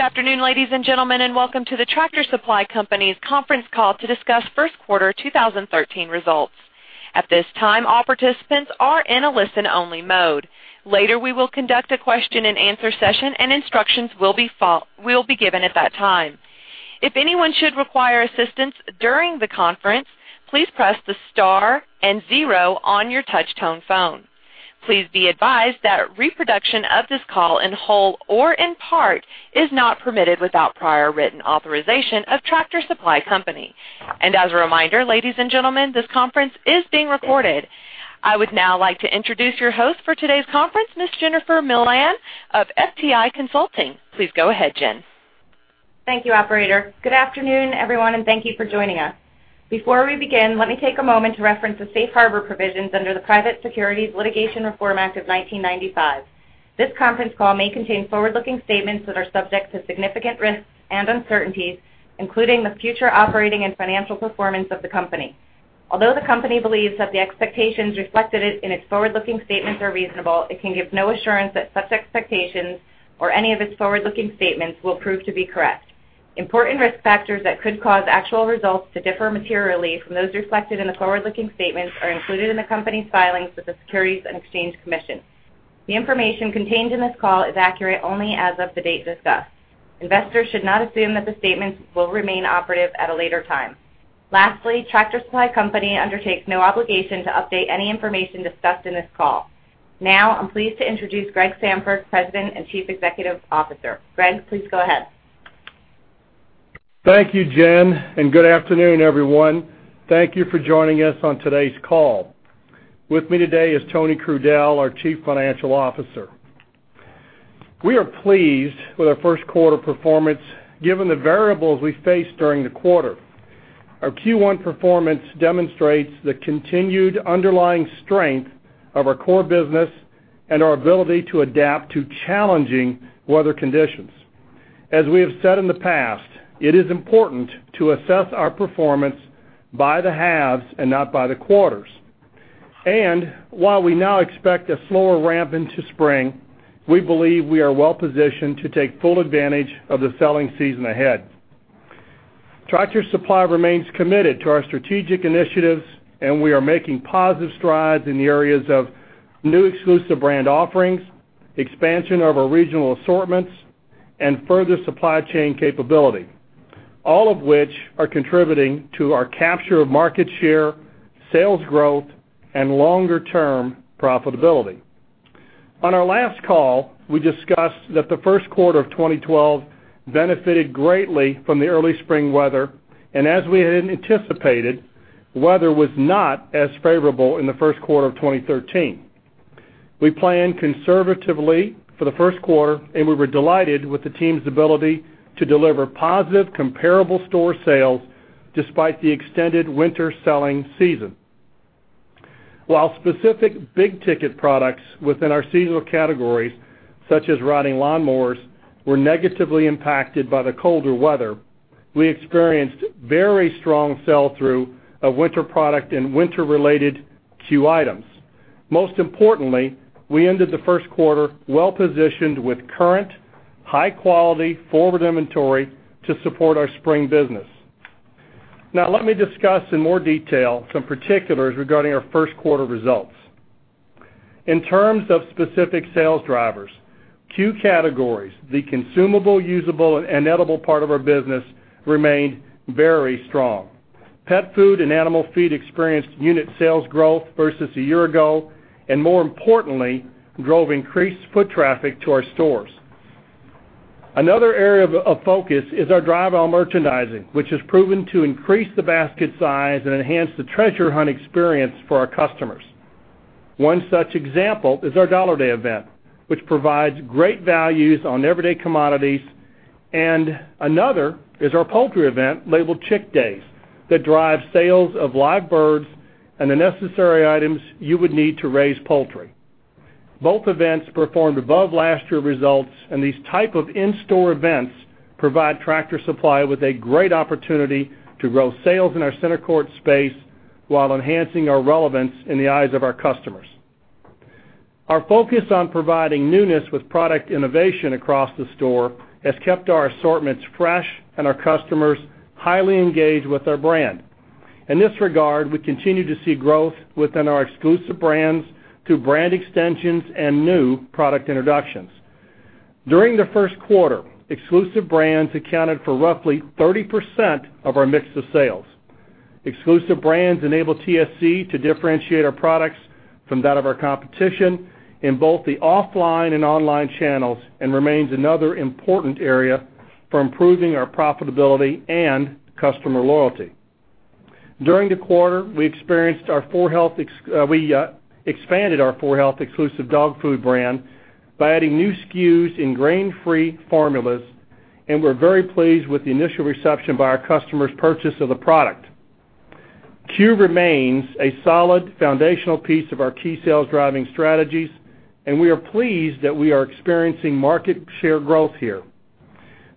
Good afternoon, ladies and gentlemen, welcome to the Tractor Supply Company's conference call to discuss first quarter 2013 results. At this time, all participants are in a listen-only mode. Later, we will conduct a question-and-answer session, and instructions will be given at that time. If anyone should require assistance during the conference, please press the star and zero on your touch-tone phone. Please be advised that reproduction of this call in whole or in part is not permitted without prior written authorization of Tractor Supply Company. As a reminder, ladies and gentlemen, this conference is being recorded. I would now like to introduce your host for today's conference, Ms. Jennifer Milian of FTI Consulting. Please go ahead, Jen. Thank you, operator. Good afternoon, everyone, thank you for joining us. Before we begin, let me take a moment to reference the safe harbor provisions under the Private Securities Litigation Reform Act of 1995. This conference call may contain forward-looking statements that are subject to significant risks and uncertainties, including the future operating and financial performance of the company. Although the company believes that the expectations reflected in its forward-looking statements are reasonable, it can give no assurance that such expectations or any of its forward-looking statements will prove to be correct. Important risk factors that could cause actual results to differ materially from those reflected in the forward-looking statements are included in the company's filings with the Securities and Exchange Commission. The information contained in this call is accurate only as of the date discussed. Investors should not assume that the statements will remain operative at a later time. Lastly, Tractor Supply Company undertakes no obligation to update any information discussed in this call. Now, I'm pleased to introduce Greg Sandfort, President and Chief Executive Officer. Greg, please go ahead. Thank you, Jen, good afternoon, everyone. Thank you for joining us on today's call. With me today is Tony Crudele, our Chief Financial Officer. We are pleased with our first-quarter performance, given the variables we faced during the quarter. Our Q1 performance demonstrates the continued underlying strength of our core business and our ability to adapt to challenging weather conditions. As we have said in the past, it is important to assess our performance by the halves and not by the quarters. While we now expect a slower ramp into spring, we believe we are well-positioned to take full advantage of the selling season ahead. Tractor Supply remains committed to our strategic initiatives. We are making positive strides in the areas of new exclusive brand offerings, expansion of our regional assortments, and further supply chain capability, all of which are contributing to our capture of market share, sales growth, and longer-term profitability. On our last call, we discussed that the first quarter of 2012 benefited greatly from the early spring weather, and as we had anticipated, weather was not as favorable in the first quarter of 2013. We planned conservatively for the first quarter. We were delighted with the team's ability to deliver positive comparable store sales despite the extended winter selling season. While specific big-ticket products within our seasonal categories, such as riding lawn mowers, were negatively impacted by the colder weather, we experienced very strong sell-through of winter product and winter-related CUE items. Most importantly, we ended the first quarter well-positioned with current, high-quality forward inventory to support our spring business. Now let me discuss in more detail some particulars regarding our first-quarter results. In terms of specific sales drivers, CUE categories, the consumable, usable, and edible part of our business remained very strong. Pet food and animal feed experienced unit sales growth versus a year ago, and more importantly, drove increased foot traffic to our stores. Another area of focus is our drive-on merchandising, which has proven to increase the basket size and enhance the treasure hunt experience for our customers. One such example is our Dollar Day event, which provides great values on everyday commodities, and another is our poultry event, labeled Chick Days, that drives sales of live birds and the necessary items you would need to raise poultry. Both events performed above last year results. These type of in-store events provide Tractor Supply with a great opportunity to grow sales in our center court space while enhancing our relevance in the eyes of our customers. Our focus on providing newness with product innovation across the store has kept our assortments fresh and our customers highly engaged with our brand. In this regard, we continue to see growth within our exclusive brands through brand extensions and new product introductions. During the first quarter, exclusive brands accounted for roughly 30% of our mix of sales. Exclusive brands enable TSC to differentiate our products from that of our competition in both the offline and online channels and remains another important area for improving our profitability and customer loyalty. During the quarter, we expanded our 4health exclusive dog food brand by adding new SKUs in grain-free formulas, and we're very pleased with the initial reception by our customers' purchase of the product. CUE remains a solid foundational piece of our key sales-driving strategies, and we are pleased that we are experiencing market share growth here.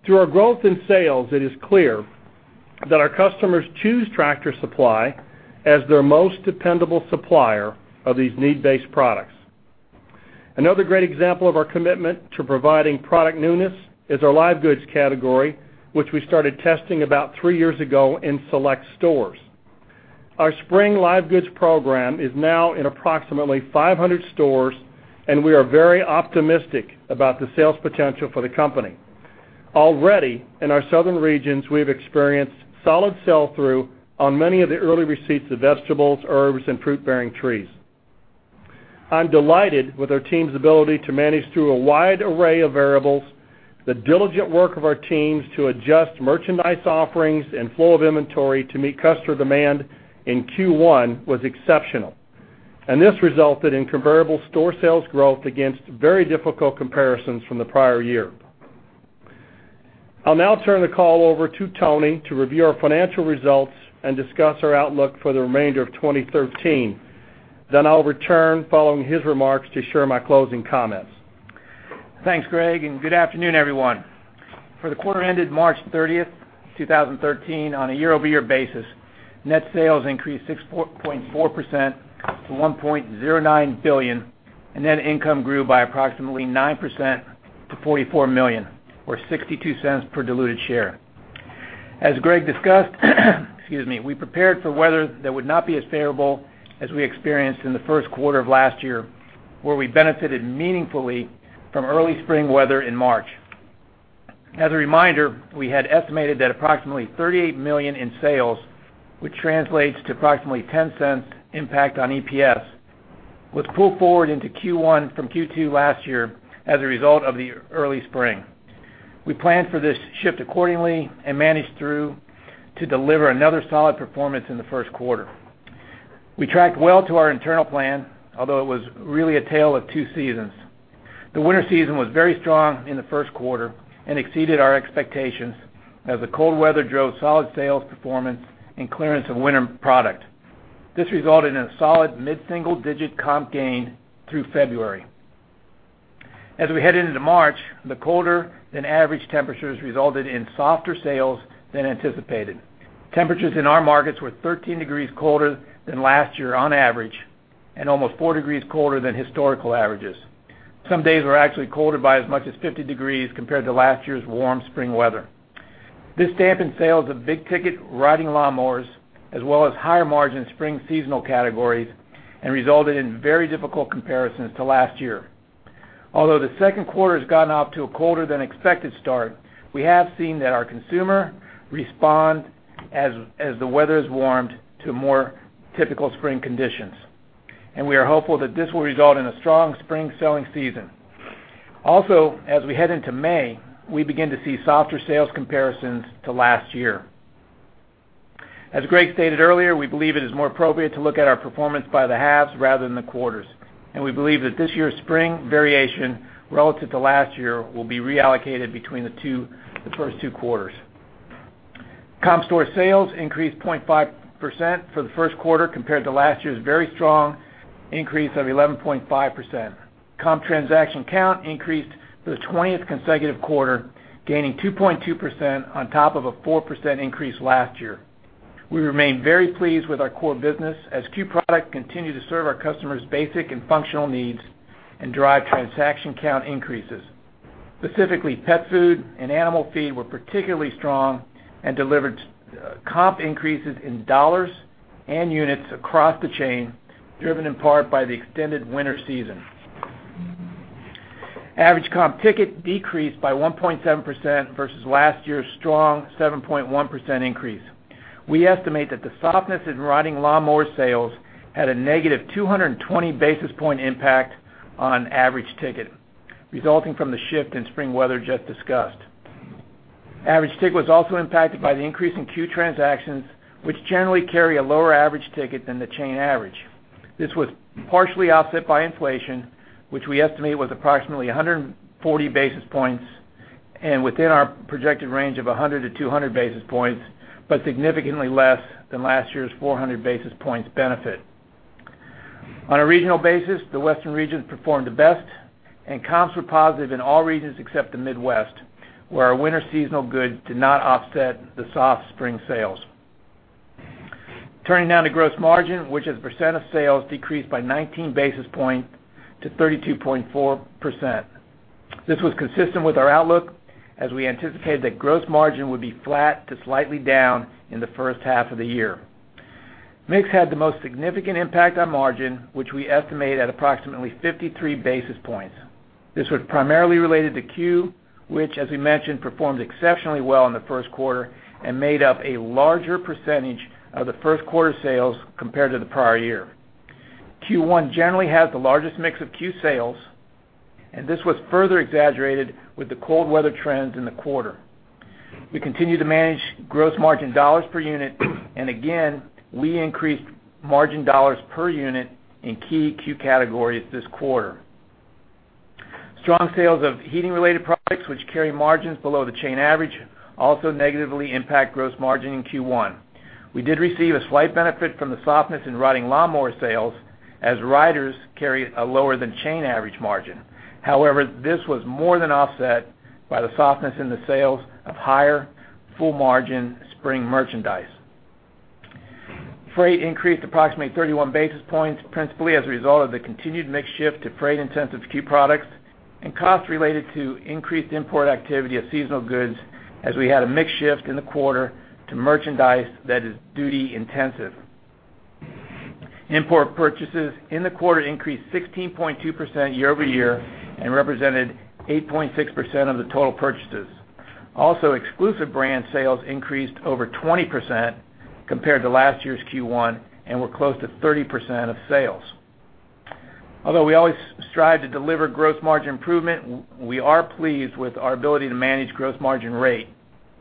Through our growth in sales, it is clear that our customers choose Tractor Supply as their most dependable supplier of these need-based products. Another great example of our commitment to providing product newness is our live goods category, which we started testing about three years ago in select stores. Our spring live goods program is now in approximately 500 stores, and we are very optimistic about the sales potential for the company. Already in our southern regions, we've experienced solid sell-through on many of the early receipts of vegetables, herbs, and fruit-bearing trees. I'm delighted with our team's ability to manage through a wide array of variables. The diligent work of our teams to adjust merchandise offerings and flow of inventory to meet customer demand in Q1 was exceptional, and this resulted in comparable store sales growth against very difficult comparisons from the prior year. I'll now turn the call over to Tony to review our financial results and discuss our outlook for the remainder of 2013. I'll return following his remarks to share my closing comments. Thanks, Greg, and good afternoon, everyone. For the quarter ended March 30th, 2013, on a year-over-year basis, net sales increased 6.4% to $1.09 billion, and net income grew by approximately 9% to $44 million, or $0.62 per diluted share. As Greg discussed, we prepared for weather that would not be as favorable as we experienced in the first quarter of last year, where we benefited meaningfully from early spring weather in March. As a reminder, we had estimated that approximately $38 million in sales, which translates to approximately $0.10 impact on EPS, was pulled forward into Q1 from Q2 last year as a result of the early spring. We planned for this shift accordingly and managed through to deliver another solid performance in the first quarter. We tracked well to our internal plan, although it was really a tale of two seasons. The winter season was very strong in the first quarter and exceeded our expectations as the cold weather drove solid sales performance and clearance of winter product. This resulted in a solid mid-single-digit comp gain through February. As we head into March, the colder-than-average temperatures resulted in softer sales than anticipated. Temperatures in our markets were 13 degrees colder than last year on average and almost four degrees colder than historical averages. Some days were actually colder by as much as 50 degrees compared to last year's warm spring weather. This dampened sales of big-ticket riding lawn mowers as well as higher-margin spring seasonal categories and resulted in very difficult comparisons to last year. Although the second quarter has gotten off to a colder-than-expected start, we have seen that our consumer respond as the weather's warmed to more typical spring conditions, and we are hopeful that this will result in a strong spring selling season. Also, as we head into May, we begin to see softer sales comparisons to last year. As Greg stated earlier, we believe it is more appropriate to look at our performance by the halves rather than the quarters, and we believe that this year's spring variation relative to last year will be reallocated between the first two quarters. Comp store sales increased 0.5% for the first quarter compared to last year's very strong increase of 11.5%. Comp transaction count increased for the twentieth consecutive quarter, gaining 2.2% on top of a 4% increase last year. We remain very pleased with our core business, as CUE products continue to serve our customers' basic and functional needs and drive transaction count increases. Specifically, pet food and animal feed were particularly strong and delivered comp increases in dollars and units across the chain, driven in part by the extended winter season. Average comp ticket decreased by 1.7% versus last year's strong 7.1% increase. We estimate that the softness in riding lawn mower sales had a negative 220 basis points impact on average ticket, resulting from the shift in spring weather just discussed. Average ticket was also impacted by the increase in CUE transactions, which generally carry a lower average ticket than the chain average. This was partially offset by inflation, which we estimate was approximately 140 basis points and within our projected range of 100-200 basis points, but significantly less than last year's 400 basis points benefit. On a regional basis, the Western region performed the best, and comps were positive in all regions except the Midwest, where our winter seasonal goods did not offset the soft spring sales. Turning now to gross margin, which as a percent of sales decreased by 19 basis points to 32.4%. This was consistent with our outlook, as we anticipated that gross margin would be flat to slightly down in the first half of the year. Mix had the most significant impact on margin, which we estimate at approximately 53 basis points. This was primarily related to CUE, which, as we mentioned, performed exceptionally well in the first quarter and made up a larger percentage of the first quarter sales compared to the prior year. Q1 generally has the largest mix of CUE sales, and this was further exaggerated with the cold weather trends in the quarter. We continue to manage gross margin dollars per unit, and again, we increased margin dollars per unit in key CUE categories this quarter. Strong sales of heating-related products, which carry margins below the chain average, also negatively impact gross margin in Q1. We did receive a slight benefit from the softness in riding lawnmower sales, as riders carry a lower-than-chain average margin. However, this was more than offset by the softness in the sales of higher full-margin spring merchandise. Freight increased approximately 31 basis points, principally as a result of the continued mix shift to freight-intensive CUE products and costs related to increased import activity of seasonal goods as we had a mix shift in the quarter to merchandise that is duty-intensive. Import purchases in the quarter increased 16.2% year-over-year and represented 8.6% of the total purchases. Also, exclusive brand sales increased over 20% compared to last year's Q1 and were close to 30% of sales. Although we always strive to deliver gross margin improvement, we are pleased with our ability to manage gross margin rate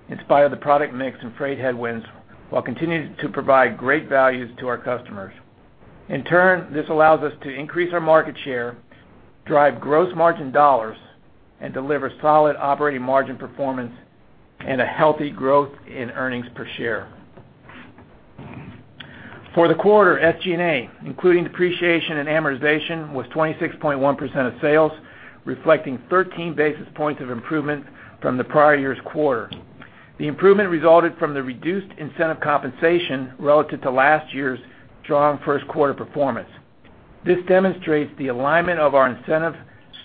in spite of the product mix and freight headwinds, while continuing to provide great values to our customers. In turn, this allows us to increase our market share, drive gross margin dollars, and deliver solid operating margin performance and a healthy growth in earnings per share. For the quarter, SG&A, including depreciation and amortization, was 26.1% of sales, reflecting 13 basis points of improvement from the prior year's quarter. The improvement resulted from the reduced incentive compensation relative to last year's strong first quarter performance. This demonstrates the alignment of our incentive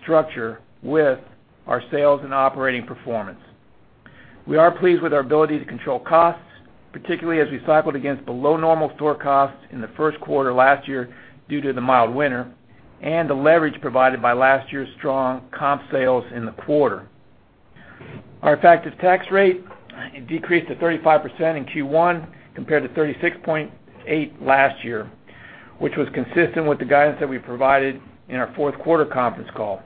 structure with our sales and operating performance. We are pleased with our ability to control costs, particularly as we cycled against below-normal store costs in the first quarter last year due to the mild winter, and the leverage provided by last year's strong comp sales in the quarter. Our effective tax rate decreased to 35% in Q1 compared to 36.8% last year, which was consistent with the guidance that we provided in our fourth-quarter conference call.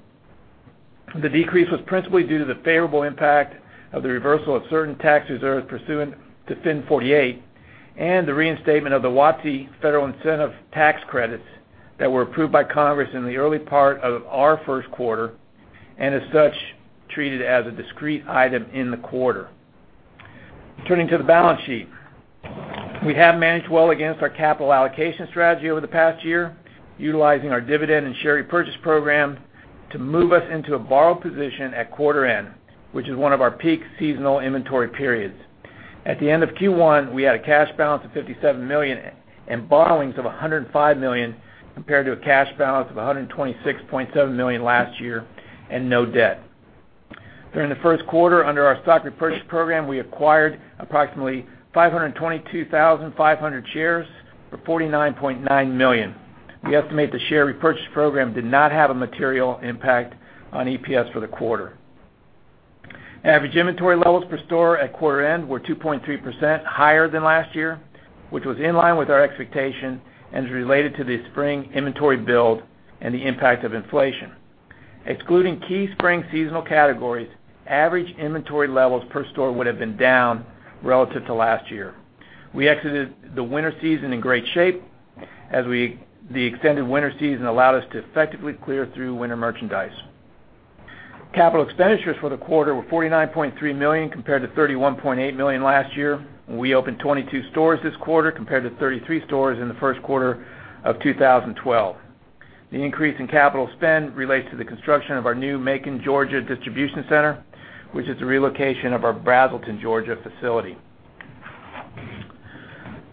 The decrease was principally due to the favorable impact of the reversal of certain tax reserves pursuant to FIN 48 and the reinstatement of the WOTC federal incentive tax credits that were approved by Congress in the early part of our first quarter, and as such, treated as a discrete item in the quarter. Turning to the balance sheet. We have managed well against our capital allocation strategy over the past year, utilizing our dividend and share repurchase program to move us into a borrow position at quarter end, which is one of our peak seasonal inventory periods. At the end of Q1, we had a cash balance of $57 million and borrowings of $105 million, compared to a cash balance of $126.7 million last year and no debt. During the first quarter, under our stock repurchase program, we acquired approximately 522,500 shares for $49.9 million. We estimate the share repurchase program did not have a material impact on EPS for the quarter. Average inventory levels per store at quarter end were 2.3% higher than last year, which was in line with our expectation and is related to the spring inventory build and the impact of inflation. Excluding key spring seasonal categories, average inventory levels per store would have been down relative to last year. We exited the winter season in great shape, as the extended winter season allowed us to effectively clear through winter merchandise. Capital expenditures for the quarter were $49.3 million, compared to $31.8 million last year. We opened 22 stores this quarter, compared to 33 stores in the first quarter of 2012. The increase in capital spend relates to the construction of our new Macon, Georgia, distribution center, which is the relocation of our Braselton, Georgia, facility.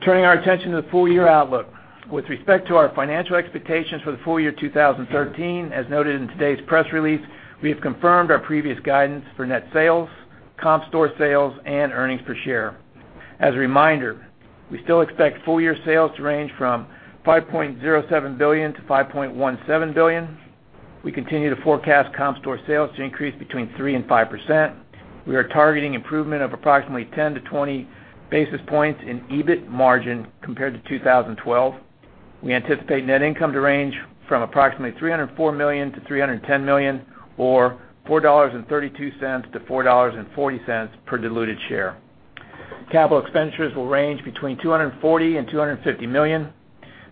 Turning our attention to the full-year outlook. With respect to our financial expectations for the full year 2013, as noted in today's press release, we have confirmed our previous guidance for net sales, comp store sales, and earnings per share. As a reminder, we still expect full-year sales to range from $5.07 billion to $5.17 billion. We continue to forecast comp store sales to increase between 3% and 5%. We are targeting improvement of approximately 10 to 20 basis points in EBIT margin compared to 2012. We anticipate net income to range from approximately $304 million to $310 million, or $4.32 to $4.40 per diluted share. Capital expenditures will range between $240 million and $250 million.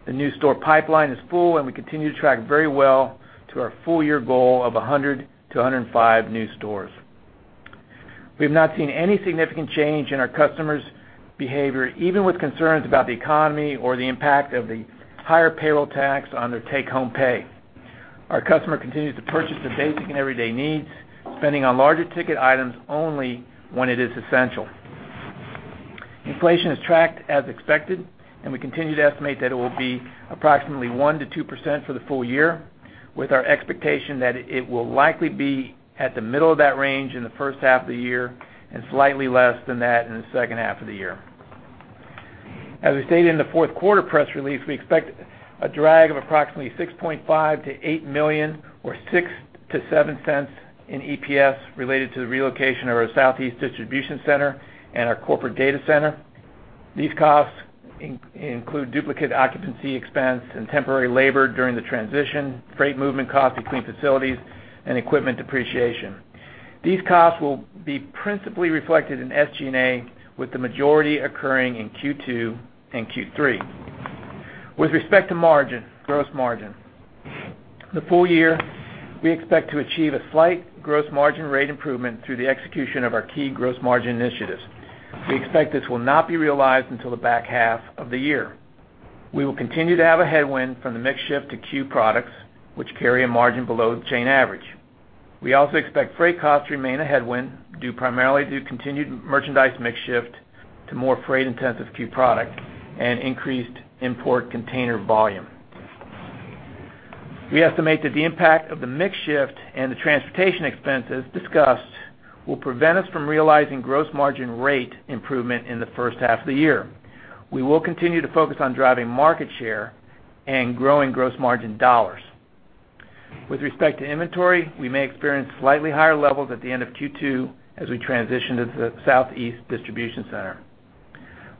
The new store pipeline is full, and we continue to track very well to our full-year goal of 100 to 105 new stores. We have not seen any significant change in our customers' behavior, even with concerns about the economy or the impact of the higher payroll tax on their take-home pay. Our customer continues to purchase their basic and everyday needs, spending on larger ticket items only when it is essential. Inflation is tracked as expected, and we continue to estimate that it will be approximately 1%-2% for the full year, with our expectation that it will likely be at the middle of that range in the first half of the year and slightly less than that in the second half of the year. As we stated in the fourth quarter press release, we expect a drag of approximately $6.5 million-$8 million or $0.06-$0.07 in EPS related to the relocation of our Southeast distribution center and our corporate data center. These costs include duplicate occupancy expense and temporary labor during the transition, freight movement costs between facilities, and equipment depreciation. These costs will be principally reflected in SG&A, with the majority occurring in Q2 and Q3. With respect to margin, gross margin. For the full year, we expect to achieve a slight gross margin rate improvement through the execution of our key gross margin initiatives. We expect this will not be realized until the back half of the year. We will continue to have a headwind from the mix shift to CUE products, which carry a margin below the chain average. We also expect freight costs to remain a headwind due primarily to continued merchandise mix shift to more freight-intensive CUE product and increased import container volume. We estimate that the impact of the mix shift and the transportation expenses discussed will prevent us from realizing gross margin rate improvement in the first half of the year. We will continue to focus on driving market share and growing gross margin dollars. With respect to inventory, we may experience slightly higher levels at the end of Q2 as we transition to the Southeast distribution center.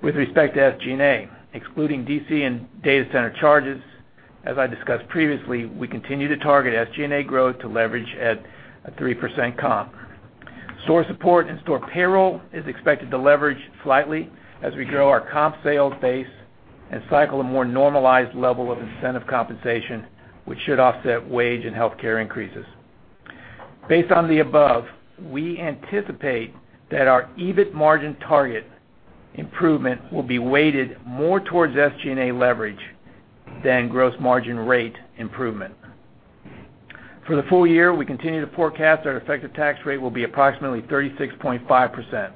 With respect to SG&A, excluding DC and data center charges, as I discussed previously, we continue to target SG&A growth to leverage at a 3% comp. Store support and store payroll is expected to leverage slightly as we grow our comp sales base and cycle a more normalized level of incentive compensation, which should offset wage and healthcare increases. Based on the above, we anticipate that our EBIT margin target improvement will be weighted more towards SG&A leverage than gross margin rate improvement. For the full year, we continue to forecast our effective tax rate will be approximately 36.5%.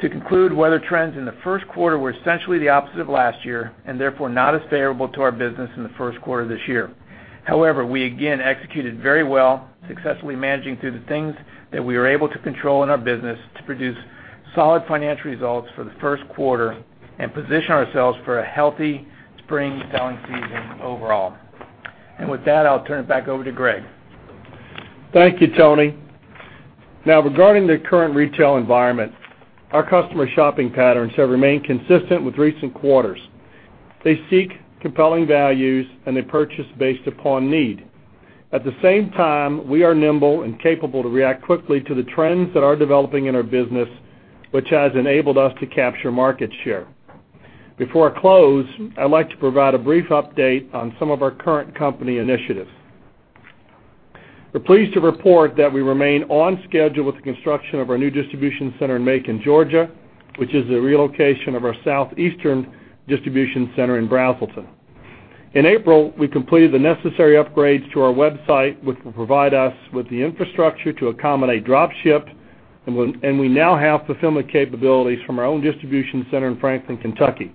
To conclude, weather trends in the first quarter were essentially the opposite of last year and therefore not as favorable to our business in the first quarter of this year. However, we again executed very well, successfully managing through the things that we were able to control in our business to produce solid financial results for the first quarter and position ourselves for a healthy spring selling season overall. With that, I'll turn it back over to Greg. Thank you, Tony. Regarding the current retail environment, our customer shopping patterns have remained consistent with recent quarters. They seek compelling values, and they purchase based upon need. At the same time, we are nimble and capable to react quickly to the trends that are developing in our business, which has enabled us to capture market share. Before I close, I'd like to provide a brief update on some of our current company initiatives. We're pleased to report that we remain on schedule with the construction of our new distribution center in Macon, Georgia, which is the relocation of our Southeastern distribution center in Braselton. In April, we completed the necessary upgrades to our website, which will provide us with the infrastructure to accommodate drop ship, and we now have fulfillment capabilities from our own distribution center in Franklin, Kentucky.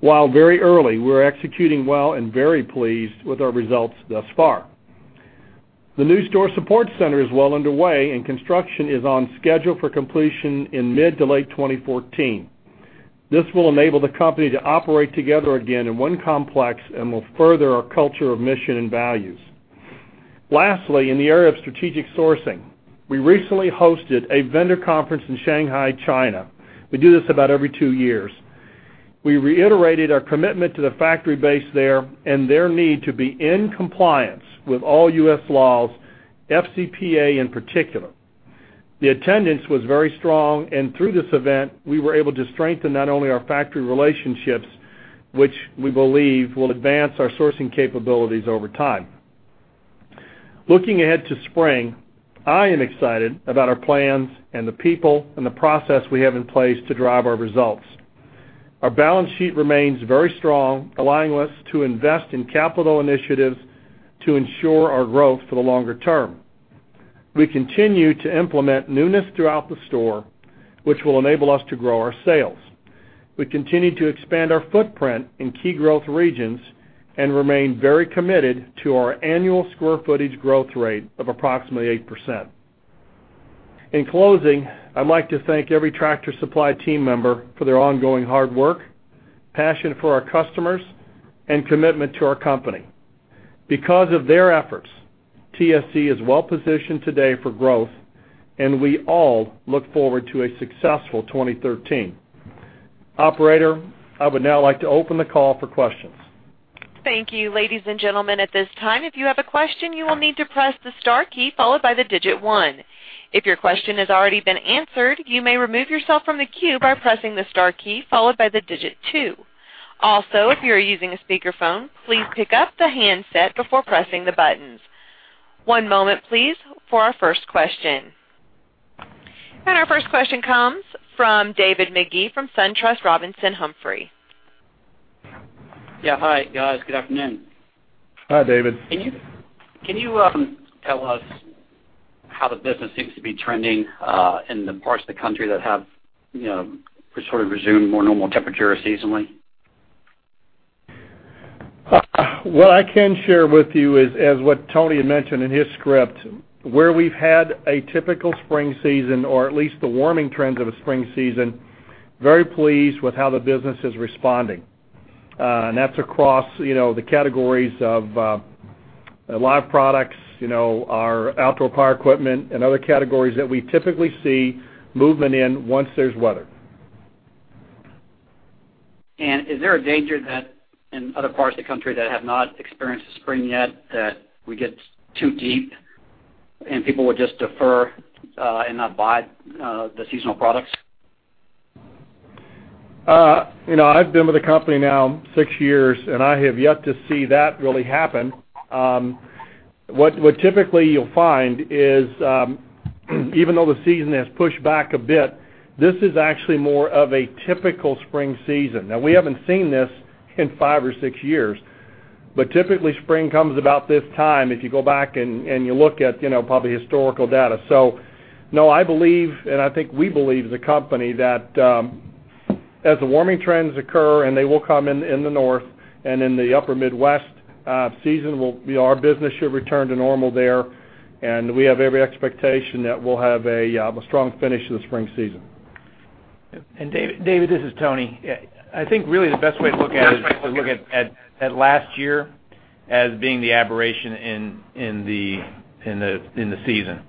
While very early, we're executing well and very pleased with our results thus far. The new store support center is well underway, and construction is on schedule for completion in mid to late 2014. This will enable the company to operate together again in one complex and will further our culture of mission and values. In the area of strategic sourcing, we recently hosted a vendor conference in Shanghai, China. We do this about every two years. We reiterated our commitment to the factory base there and their need to be in compliance with all U.S. laws, FCPA in particular. The attendance was very strong, and through this event, we were able to strengthen not only our factory relationships, which we believe will advance our sourcing capabilities over time. Looking ahead to spring, I am excited about our plans and the people and the process we have in place to drive our results. Our balance sheet remains very strong, allowing us to invest in capital initiatives to ensure our growth for the longer term. We continue to implement newness throughout the store, which will enable us to grow our sales. We continue to expand our footprint in key growth regions and remain very committed to our annual square footage growth rate of approximately 8%. In closing, I'd like to thank every Tractor Supply team member for their ongoing hard work, passion for our customers, and commitment to our company. Because of their efforts, TSC is well-positioned today for growth, and we all look forward to a successful 2013. Operator, I would now like to open the call for questions. Thank you. Ladies and gentlemen, at this time, if you have a question, you will need to press the star key followed by the digit one. If your question has already been answered, you may remove yourself from the queue by pressing the star key followed by the digit two. Also, if you are using a speakerphone, please pick up the handset before pressing the buttons. One moment, please, for our first question. Our first question comes from David Magee from SunTrust Robinson Humphrey. Yeah. Hi, guys. Good afternoon. Hi, David. Can you tell us how the business seems to be trending in the parts of the country that have sort of resumed more normal temperature seasonally? What I can share with you is, as what Tony had mentioned in his script, where we've had a typical spring season, or at least the warming trends of a spring season, very pleased with how the business is responding. That's across the categories of live products, our outdoor power equipment, and other categories that we typically see movement in once there's weather. Is there a danger that in other parts of the country that have not experienced the spring yet, that we get too deep and people would just defer and not buy the seasonal products? I've been with the company now six years, and I have yet to see that really happen. What typically you'll find is even though the season has pushed back a bit, this is actually more of a typical spring season. We haven't seen this in five or six years, but typically spring comes about this time if you go back and you look at probably historical data. No, I believe, and I think we believe as a company that, as the warming trends occur, and they will come in the north and in the upper Midwest, our business should return to normal there, and we have every expectation that we'll have a strong finish to the spring season. And David, this is Tony. I think really the best way to look at it is to look at last year as being the aberration in the season,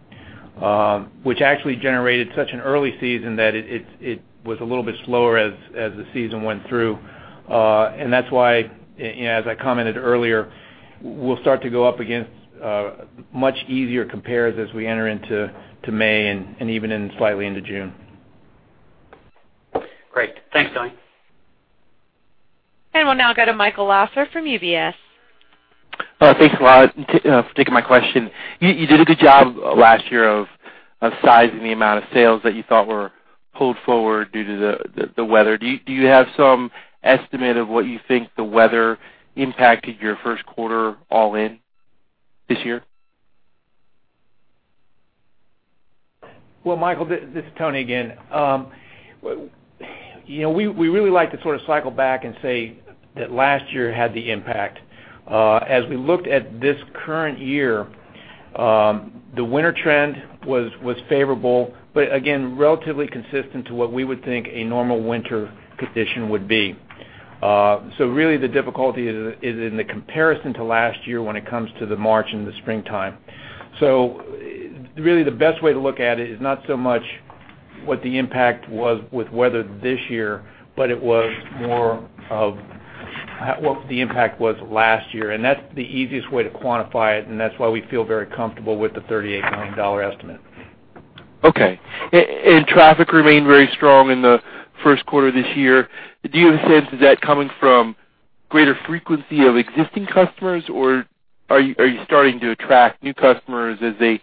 which actually generated such an early season that it was a little bit slower as the season went through. That's why, as I commented earlier, we'll start to go up against much easier compares as we enter into May and even slightly into June. Great. Thanks, Tony. We'll now go to Michael Lasser from UBS. Thanks a lot for taking my question. You did a good job last year of sizing the amount of sales that you thought were pulled forward due to the weather. Do you have some estimate of what you think the weather impacted your first quarter all in this year? Well, Michael, this is Tony again. We really like to sort of cycle back and say that last year had the impact. As we looked at this current year, the winter trend was favorable, but again, relatively consistent to what we would think a normal winter condition would be. Really the difficulty is in the comparison to last year when it comes to the March and the springtime. Really, the best way to look at it is not so much what the impact was with weather this year, but it was more of what the impact was last year. That's the easiest way to quantify it, and that's why we feel very comfortable with the $38 million estimate. Okay. Traffic remained very strong in the first quarter this year. Do you have a sense, is that coming from greater frequency of existing customers, or are you starting to attract new customers as they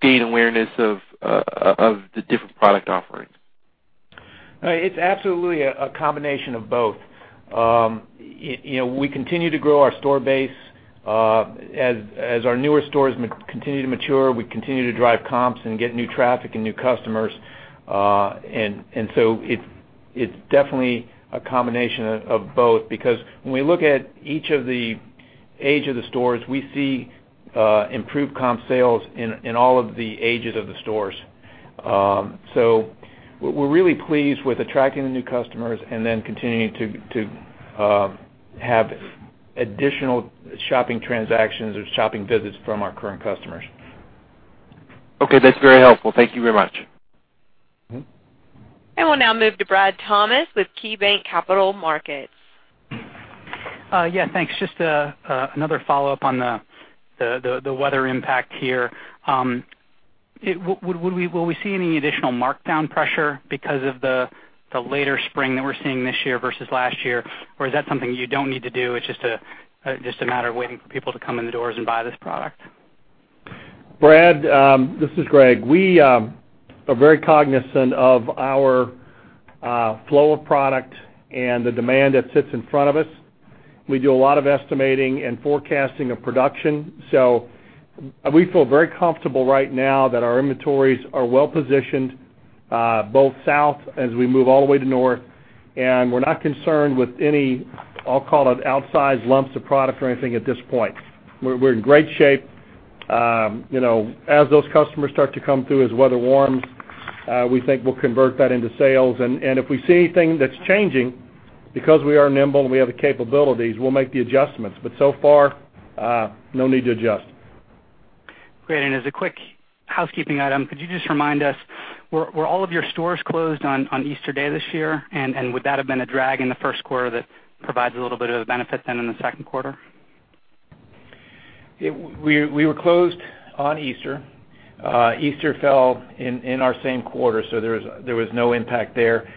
gain awareness of the different product offerings? It's absolutely a combination of both. We continue to grow our store base. As our newer stores continue to mature, we continue to drive comps and get new traffic and new customers. It's definitely a combination of both because when we look at each of the age of the stores, we see improved comp sales in all of the ages of the stores. We're really pleased with attracting the new customers and then continuing to have additional shopping transactions or shopping visits from our current customers. Okay. That's very helpful. Thank you very much. We'll now move to Brad Thomas with KeyBanc Capital Markets. Yeah. Thanks. Just another follow-up on the weather impact here. Will we see any additional markdown pressure because of the later spring that we're seeing this year versus last year? Is that something you don't need to do, it's just a matter of waiting for people to come in the doors and buy this product? Brad, this is Greg. We are very cognizant of our flow of product and the demand that sits in front of us. We do a lot of estimating and forecasting of production. We feel very comfortable right now that our inventories are well-positioned, both south as we move all the way to north, and we're not concerned with any, I'll call it outsized lumps of product or anything at this point. We're in great shape. As those customers start to come through, as weather warms, we think we'll convert that into sales. If we see anything that's changing, because we are nimble and we have the capabilities, we'll make the adjustments. So far, no need to adjust. Great. As a quick housekeeping item, could you just remind us, were all of your stores closed on Easter Day this year? Would that have been a drag in the first quarter that provides a little bit of benefit then in the second quarter? We were closed on Easter. Easter fell in our same quarter, so there was no impact there.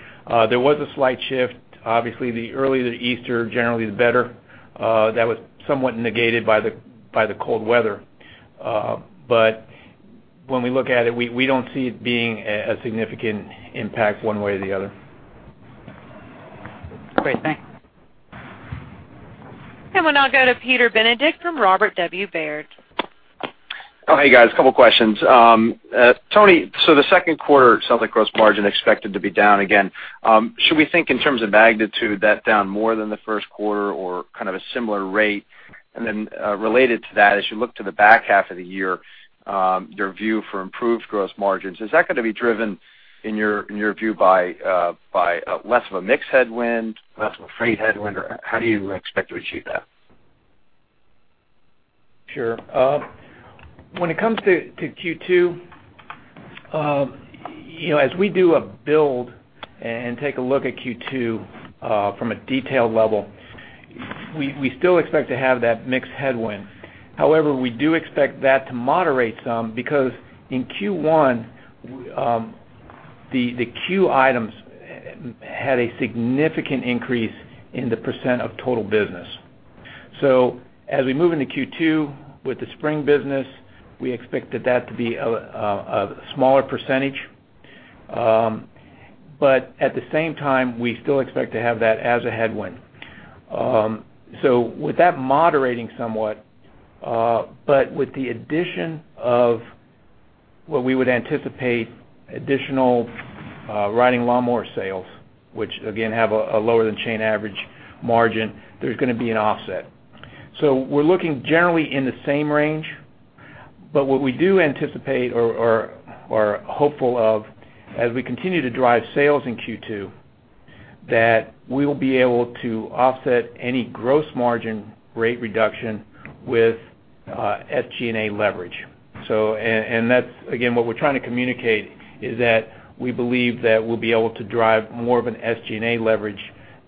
There was a slight shift. Obviously, the earlier the Easter, generally, the better. That was somewhat negated by the cold weather. When we look at it, we don't see it being a significant impact one way or the other. Great. Thanks. We'll now go to Peter Benedict from Robert W. Baird. Oh, hey, guys, couple questions. Tony, the second quarter, it sounds like gross margin expected to be down again. Should we think in terms of magnitude that down more than the first quarter or kind of a similar rate? Related to that, as you look to the back half of the year, your view for improved gross margins, is that going to be driven in your view by less of a mix headwind, less of a freight headwind, or how do you expect to achieve that? Sure. When it comes to Q2, as we do a build and take a look at Q2 from a detailed level, we still expect to have that mix headwind. However, we do expect that to moderate some because in Q1, the CUE items had a significant increase in the % of total business. As we move into Q2 with the spring business, we expected that to be a smaller %. At the same time, we still expect to have that as a headwind. With that moderating somewhat, but with the addition of what we would anticipate additional riding lawnmower sales, which again, have a lower than chain average margin, there's going to be an offset. We're looking generally in the same range, but what we do anticipate or are hopeful of as we continue to drive sales in Q2, that we will be able to offset any gross margin rate reduction with SG&A leverage. Again, what we're trying to communicate is that we believe that we'll be able to drive more of an SG&A leverage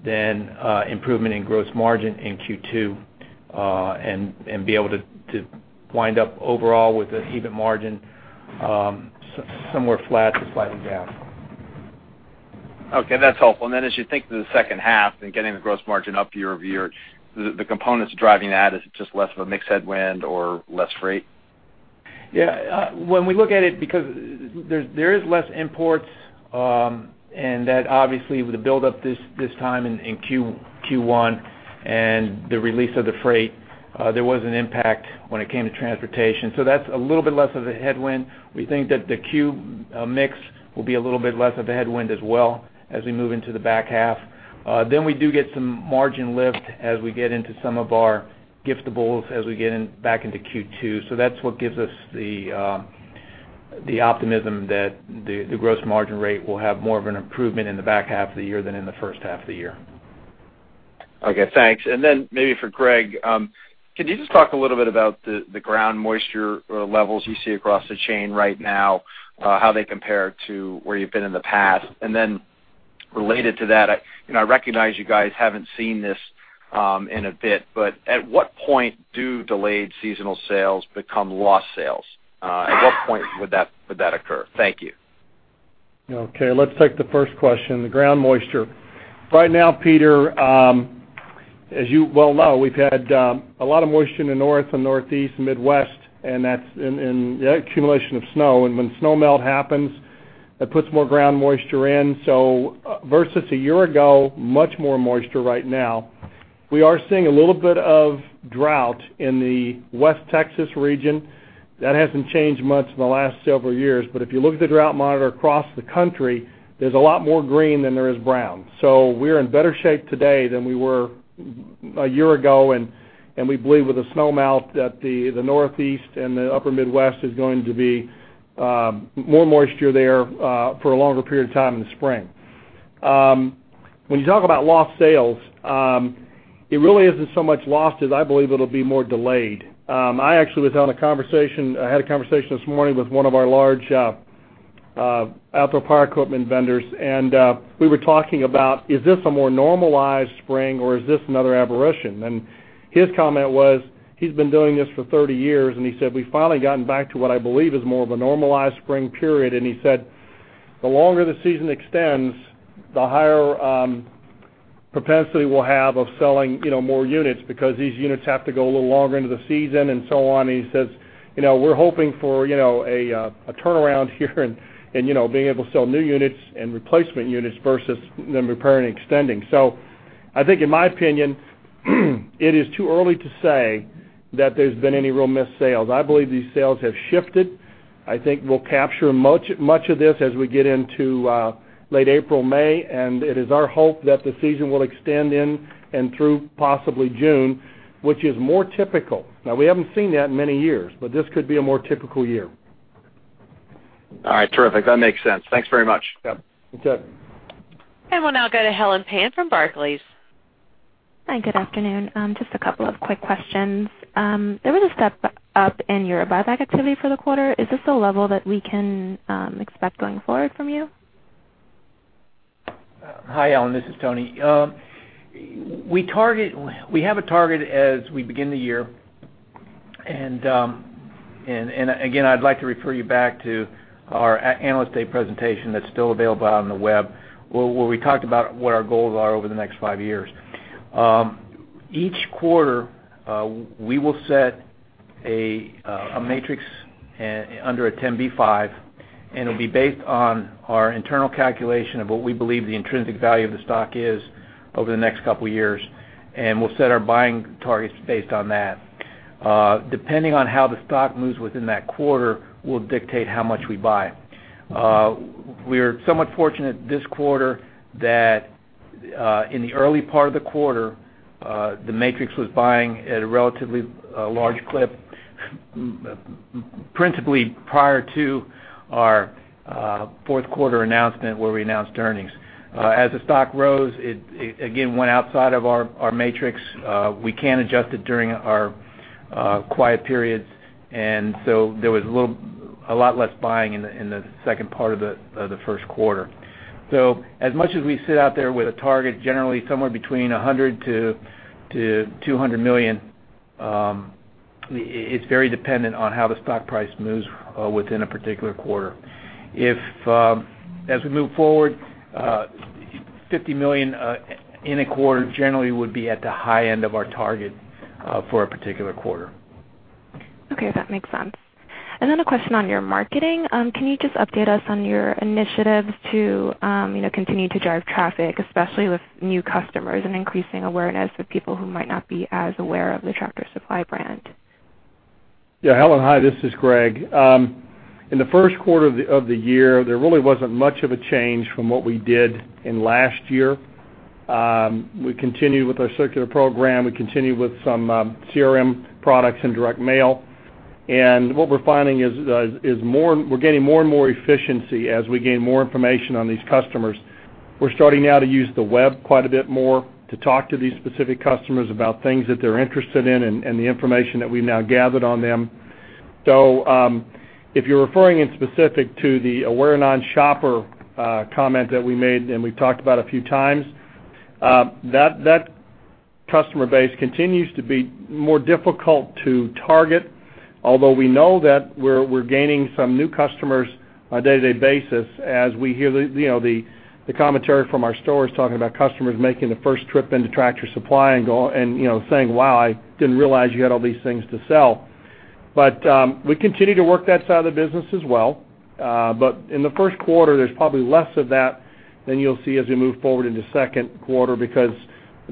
than improvement in gross margin in Q2, and be able to wind up overall with an EBIT margin somewhere flat to slightly down. Okay. That's helpful. As you think to the second half and getting the gross margin up year-over-year, the components driving that, is it just less of a mix headwind or less freight? Yeah. When we look at it, because there is less imports, and that obviously with the buildup this time in Q1 and the release of the freight, there was an impact when it came to transportation. That's a little bit less of a headwind. We think that the CUE mix will be a little bit less of a headwind as well as we move into the back half. We do get some margin lift as we get into some of our giftables as we get back into Q2. That's what gives us the optimism that the gross margin rate will have more of an improvement in the back half of the year than in the first half of the year. Okay, thanks. Maybe for Greg, can you just talk a little bit about the ground moisture levels you see across the chain right now, how they compare to where you've been in the past? Related to that, I recognize you guys haven't seen this in a bit, but at what point do delayed seasonal sales become lost sales? At what point would that occur? Thank you. Okay, let's take the first question, the ground moisture. Right now, Peter, as you well know, we've had a lot of moisture in the North and Northeast and Midwest, and that's in the accumulation of snow. When snow melt happens, that puts more ground moisture in. Versus a year ago, much more moisture right now. We are seeing a little bit of drought in the West Texas region. That hasn't changed much in the last several years. If you look at the drought monitor across the country, there's a lot more green than there is brown. We're in better shape today than we were a year ago, and we believe with the snow melt that the Northeast and the upper Midwest is going to be more moisture there for a longer period of time in the spring. When you talk about lost sales, it really isn't so much lost as I believe it'll be more delayed. I actually had a conversation this morning with one of our large outdoor power equipment vendors. We were talking about, is this a more normalized spring or is this another aberration? His comment was, he's been doing this for 30 years. He said, "We've finally gotten back to what I believe is more of a normalized spring period." He said, "The longer the season extends, the higher propensity we'll have of selling more units because these units have to go a little longer into the season and so on." He says, "We're hoping for a turnaround here and being able to sell new units and replacement units versus them repairing and extending." I think in my opinion, it is too early to say that there's been any real missed sales. I believe these sales have shifted. I think we'll capture much of this as we get into late April, May. It is our hope that the season will extend in and through possibly June, which is more typical. Now, we haven't seen that in many years. This could be a more typical year. All right. Terrific. That makes sense. Thanks very much. Yep. Good. We'll now go to Alan Rifkin from Barclays. Hi. Good afternoon. Just a couple of quick questions. There was a step up in your buyback activity for the quarter. Is this a level that we can expect going forward from you? Hi, Alan. This is Tony. We have a target as we begin the year. Again, I'd like to refer you back to our Analyst Day presentation that's still available out on the web where we talked about what our goals are over the next five years. Each quarter, we will set a matrix under a 10b5-1, and it'll be based on our internal calculation of what we believe the intrinsic value of the stock is over the next couple of years, and we'll set our buying targets based on that. Depending on how the stock moves within that quarter will dictate how much we buy. We are somewhat fortunate this quarter that in the early part of the quarter, the matrix was buying at a relatively large clip, principally prior to our fourth quarter announcement where we announced earnings. As the stock rose, it again went outside of our matrix. We can't adjust it during our quiet periods, so there was a lot less buying in the second part of the first quarter. As much as we sit out there with a target generally somewhere between $100 million-$200 million. It's very dependent on how the stock price moves within a particular quarter. As we move forward, $50 million in a quarter generally would be at the high end of our target for a particular quarter. Okay. That makes sense. A question on your marketing. Can you just update us on your initiatives to continue to drive traffic, especially with new customers and increasing awareness with people who might not be as aware of the Tractor Supply brand? Yeah, Alan. Hi, this is Greg. In the first quarter of the year, there really wasn't much of a change from what we did in last year. We continued with our circular program. We continued with some CRM products and direct mail. What we're finding is we're getting more and more efficiency as we gain more information on these customers. We're starting now to use the web quite a bit more to talk to these specific customers about things that they're interested in and the information that we've now gathered on them. If you're referring in specific to the aware non-shopper comment that we made, and we've talked about a few times, that customer base continues to be more difficult to target. Although we know that we're gaining some new customers on a day-to-day basis as we hear the commentary from our stores talking about customers making the first trip into Tractor Supply and saying, "Wow, I didn't realize you had all these things to sell." We continue to work that side of the business as well. In the first quarter, there's probably less of that than you'll see as we move forward into second quarter because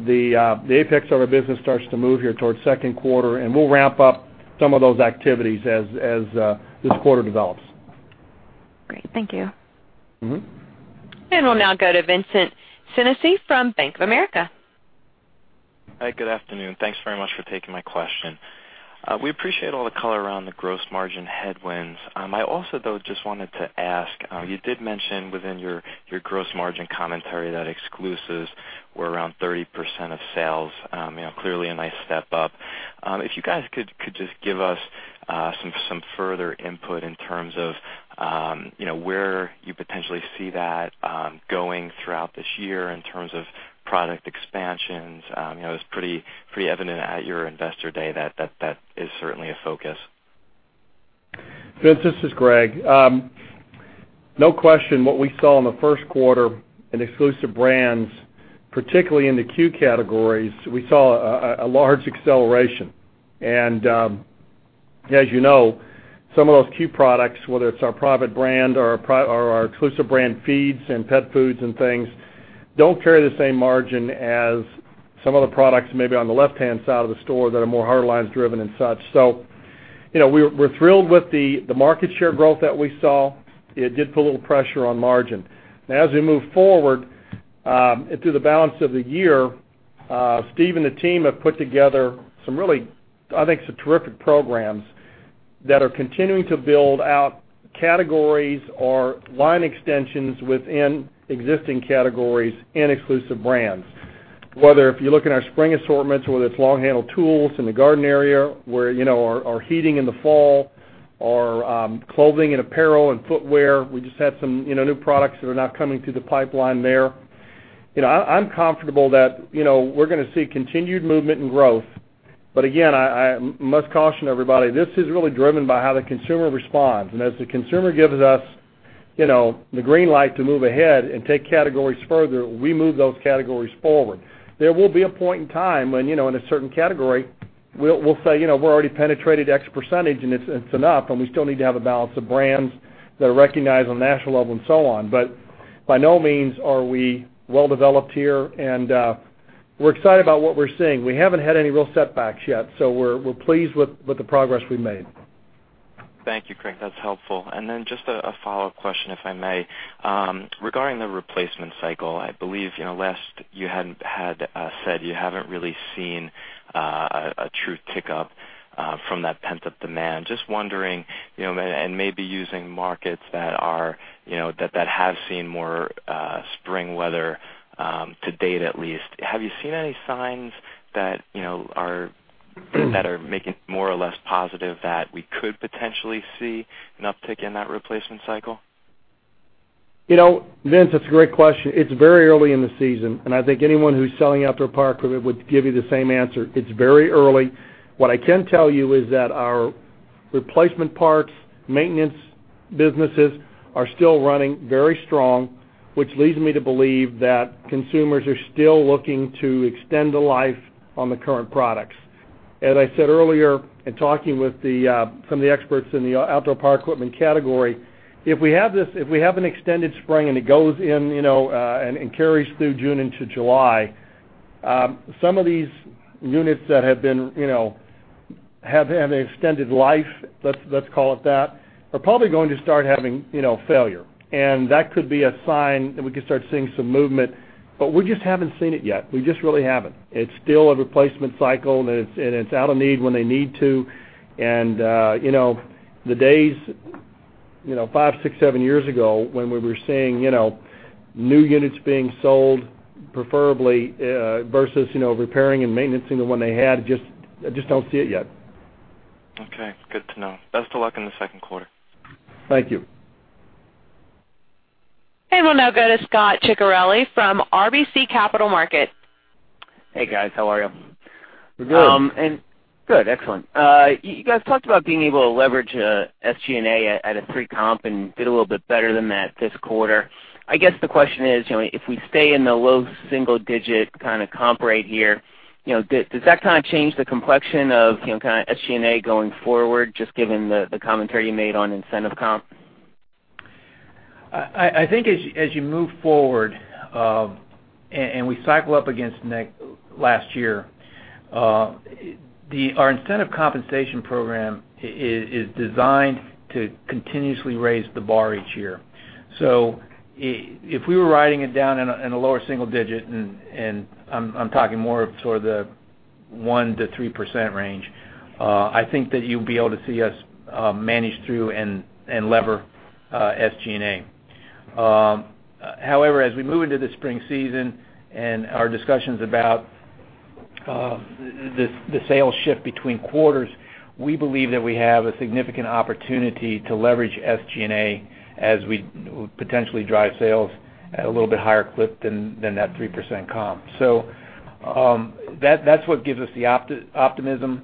the apex of our business starts to move here towards second quarter, and we'll ramp up some of those activities as this quarter develops. Great. Thank you. We'll now go to Vincent Sinisi from Bank of America. Hi, good afternoon. Thanks very much for taking my question. We appreciate all the color around the gross margin headwinds. I also, though, just wanted to ask, you did mention within your gross margin commentary that exclusives were around 30% of sales, clearly a nice step up. If you guys could just give us some further input in terms of where you potentially see that going throughout this year in terms of product expansions. It was pretty evident at your investor day that is certainly a focus. Vince, this is Greg Sandfort. No question, what we saw in the first quarter in exclusive brands, particularly in the CUE categories, we saw a large acceleration. As you know, some of those CUE products, whether it's our private brand or our exclusive brand feeds and pet foods and things, don't carry the same margin as some of the products maybe on the left-hand side of the store that are more hard lines driven and such. We're thrilled with the market share growth that we saw. It did put a little pressure on margin. As we move forward through the balance of the year, Steve Barbarick and the team have put together some really, I think, some terrific programs that are continuing to build out categories or line extensions within existing categories in exclusive brands. Whether if you look in our spring assortments, whether it's long-handled tools in the garden area or heating in the fall or clothing and apparel and footwear. We just had some new products that are now coming through the pipeline there. I'm comfortable that we're going to see continued movement and growth. Again, I must caution everybody, this is really driven by how the consumer responds. As the consumer gives us the green light to move ahead and take categories further, we move those categories forward. There will be a point in time when in a certain category, we'll say we're already penetrated X% and it's enough, and we still need to have a balance of brands that are recognized on the national level and so on. By no means are we well-developed here, and we're excited about what we're seeing. We haven't had any real setbacks yet. We're pleased with the progress we've made. Thank you, Greg. That's helpful. Just a follow-up question, if I may. Regarding the replacement cycle, I believe last you had said you haven't really seen a true tick-up from that pent-up demand. Just wondering, and maybe using markets that have seen more spring weather to date at least, have you seen any signs that are making more or less positive that we could potentially see an uptick in that replacement cycle? Vince, that's a great question. It's very early in the season. I think anyone who's selling outdoor power equipment would give you the same answer. It's very early. What I can tell you is that our replacement parts, maintenance businesses are still running very strong, which leads me to believe that consumers are still looking to extend the life on the current products. As I said earlier in talking with some of the experts in the outdoor power equipment category, if we have an extended spring and it goes in and carries through June into July, some of these units that have had an extended life, let's call it that, are probably going to start having failure. That could be a sign that we could start seeing some movement. We just haven't seen it yet. We just really haven't. It's still a replacement cycle and it's out of need when they need to. The days five, six, seven years ago when we were seeing new units being sold preferably versus repairing and maintenancing the one they had, I just don't see it yet. Okay. Good to know. Best of luck in the second quarter. Thank you. We'll now go to Scot Ciccarelli from RBC Capital Markets. Hey, guys. How are you? We're good. Good. Excellent. You guys talked about being able to leverage SG&A at a 3% comp and did a little bit better than that this quarter. I guess the question is, if we stay in the low single-digit kind of comp rate here, does that change the complexion of, kind of SG&A going forward, just given the commentary you made on incentive comp? I think as you move forward, and we cycle up against last year, our incentive compensation program is designed to continuously raise the bar each year. If we were riding it down in a lower single digit, and I'm talking more of sort of the 1%-3% range, I think that you'll be able to see us manage through and lever SG&A. However, as we move into the spring season and our discussions about the sales shift between quarters, we believe that we have a significant opportunity to leverage SG&A as we potentially drive sales at a little bit higher clip than that 3% comp. That's what gives us the optimism.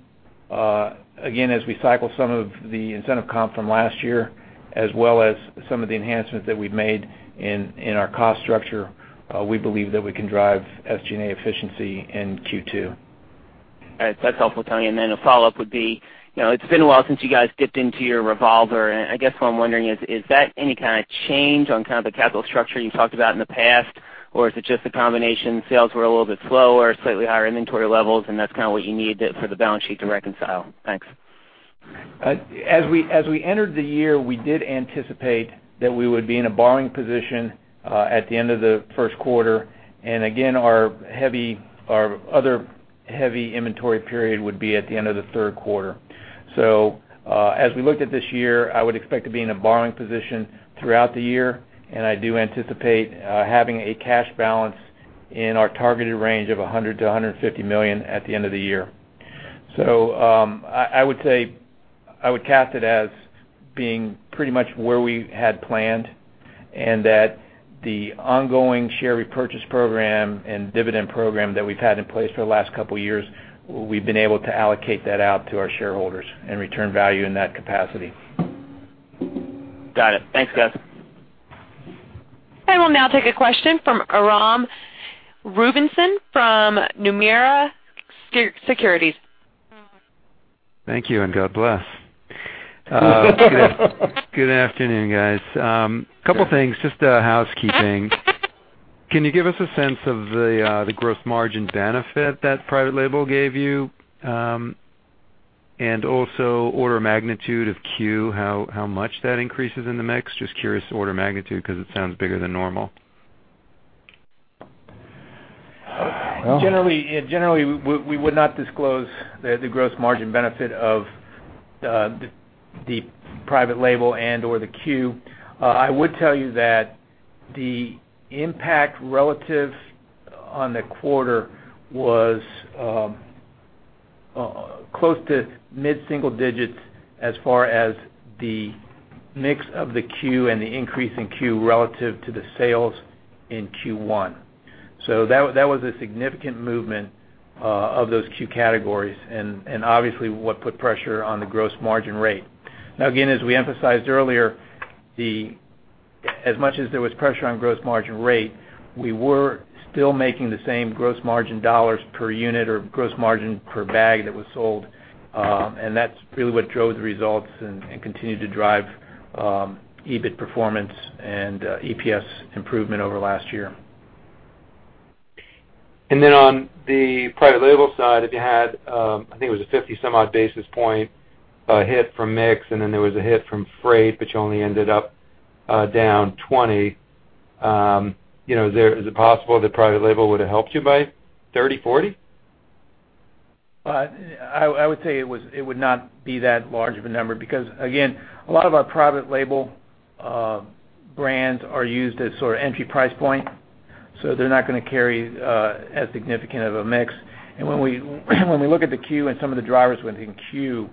Again, as we cycle some of the incentive comp from last year, as well as some of the enhancements that we've made in our cost structure, we believe that we can drive SG&A efficiency in Q2. All right. That's helpful, Tony. Then a follow-up would be, it's been a while since you guys dipped into your revolver, and I guess what I'm wondering is that any kind of change on the capital structure you talked about in the past, or is it just a combination, sales were a little bit slower, slightly higher inventory levels, and that's what you need for the balance sheet to reconcile? Thanks. As we entered the year, we did anticipate that we would be in a borrowing position at the end of the first quarter. Again, our other heavy inventory period would be at the end of the third quarter. As we looked at this year, I would expect to be in a borrowing position throughout the year, and I do anticipate having a cash balance in our targeted range of $100 million-$150 million at the end of the year. I would cast it as being pretty much where we had planned, and that the ongoing share repurchase program and dividend program that we've had in place for the last couple of years, we've been able to allocate that out to our shareholders and return value in that capacity. Got it. Thanks, guys. I will now take a question from Aram Rubinson from Nomura Securities. Thank you, and God bless. Good afternoon, guys. Couple things, just housekeeping. Can you give us a sense of the gross margin benefit that private label gave you? And also order of magnitude of CUE, how much that increases in the mix? Just curious order of magnitude, because it sounds bigger than normal. Generally, we would not disclose the gross margin benefit of the private label and/or the CUE. I would tell you that the impact relative on the quarter was close to mid-single digits as far as the mix of the CUE and the increase in CUE relative to the sales in Q1. That was a significant movement of those CUE categories and obviously what put pressure on the gross margin rate. Now, again, as we emphasized earlier, as much as there was pressure on gross margin rate, we were still making the same gross margin dollars per unit or gross margin per bag that was sold. That's really what drove the results and continued to drive EBIT performance and EPS improvement over last year. On the private label side, if you had, I think it was a 50 some odd basis point hit from mix, then there was a hit from freight, but you only ended up down 20. Is it possible that private label would have helped you by 30, 40? I would say it would not be that large of a number because, again, a lot of our private label brands are used as sort of entry price point. They're not going to carry as significant of a mix. When we look at the CUE and some of the drivers within CUE,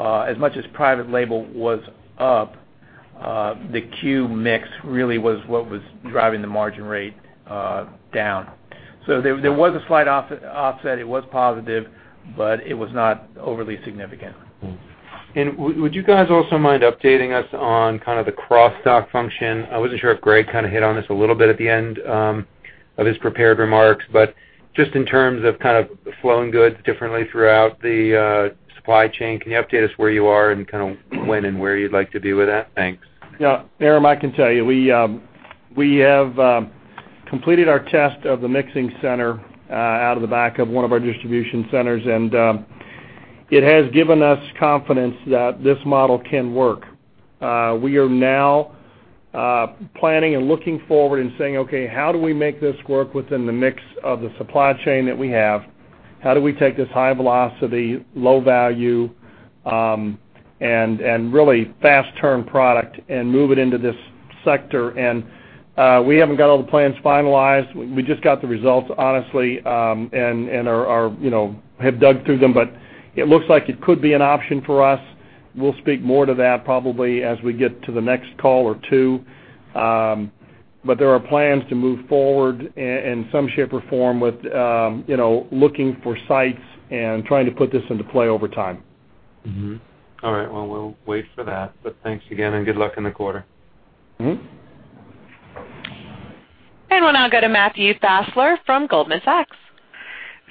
as much as private label was up, the CUE mix really was what was driving the margin rate down. There was a slight offset. It was positive, it was not overly significant. Would you guys also mind updating us on kind of the cross-dock function? I wasn't sure if Greg kind of hit on this a little bit at the end of his prepared remarks. Just in terms of flowing goods differently throughout the supply chain, can you update us where you are and kind of when and where you'd like to be with that? Thanks. Yeah, Aram, I can tell you. We have completed our test of the mixing center out of the back of one of our distribution centers, and it has given us confidence that this model can work. We are now planning and looking forward and saying, "Okay, how do we make this work within the mix of the supply chain that we have? How do we take this high velocity, low value, and really fast turn product and move it into this sector?" We haven't got all the plans finalized. We just got the results, honestly, and have dug through them, but it looks like it could be an option for us We'll speak more to that probably as we get to the next call or two. There are plans to move forward in some shape or form with looking for sites and trying to put this into play over time. Mm-hmm. All right. Well, we'll wait for that. Thanks again. Good luck in the quarter. We'll now go to Matthew Fassler from Goldman Sachs.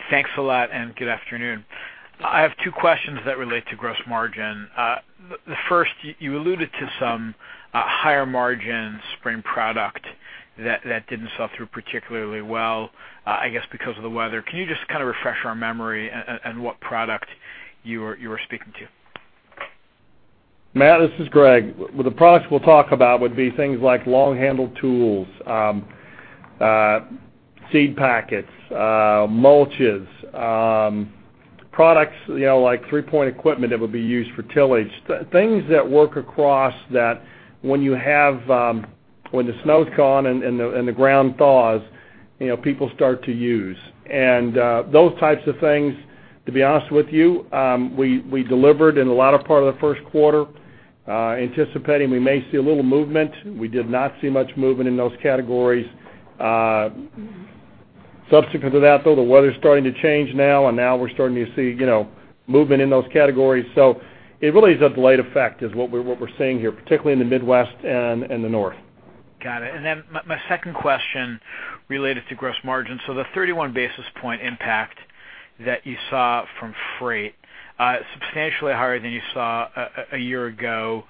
Thanks a lot. Good afternoon. I have two questions that relate to gross margin. The first, you alluded to some higher-margin spring product that did not sell through particularly well, I guess because of the weather. Can you just kind of refresh our memory on what product you were speaking to? Matt, this is Greg. The products we will talk about would be things like long-handled tools, seed packets, mulches, products like three-point equipment that would be used for tillage. Things that work across that when the snow's gone and the ground thaws, people start to use. Those types of things, to be honest with you, we delivered in the latter part of the first quarter anticipating we may see a little movement. We did not see much movement in those categories. Subsequent to that, though, the weather's starting to change now, and now we are starting to see movement in those categories. It really is a delayed effect is what we are seeing here, particularly in the Midwest and the North. Got it. My second question related to gross margin. The 31 basis point impact that you saw from freight, substantially higher than you saw a year ago.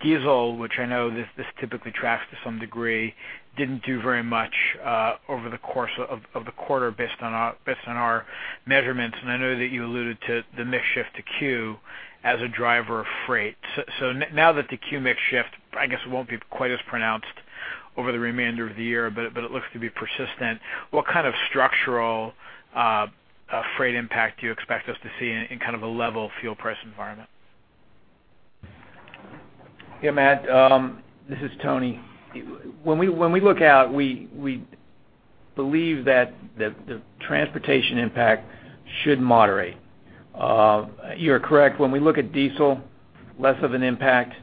Diesel, which I know this typically tracks to some degree, did not do very much over the course of the quarter based on our measurements, and I know that you alluded to the mix shift to CUE as a driver of freight. Now that the CUE mix shift, I guess, will not be quite as pronounced over the remainder of the year, but it looks to be persistent. What kind of structural freight impact do you expect us to see in kind of a level fuel price environment? Matt, this is Tony. When we look out, we believe that the transportation impact should moderate. You are correct. When we look at diesel, less of an impact.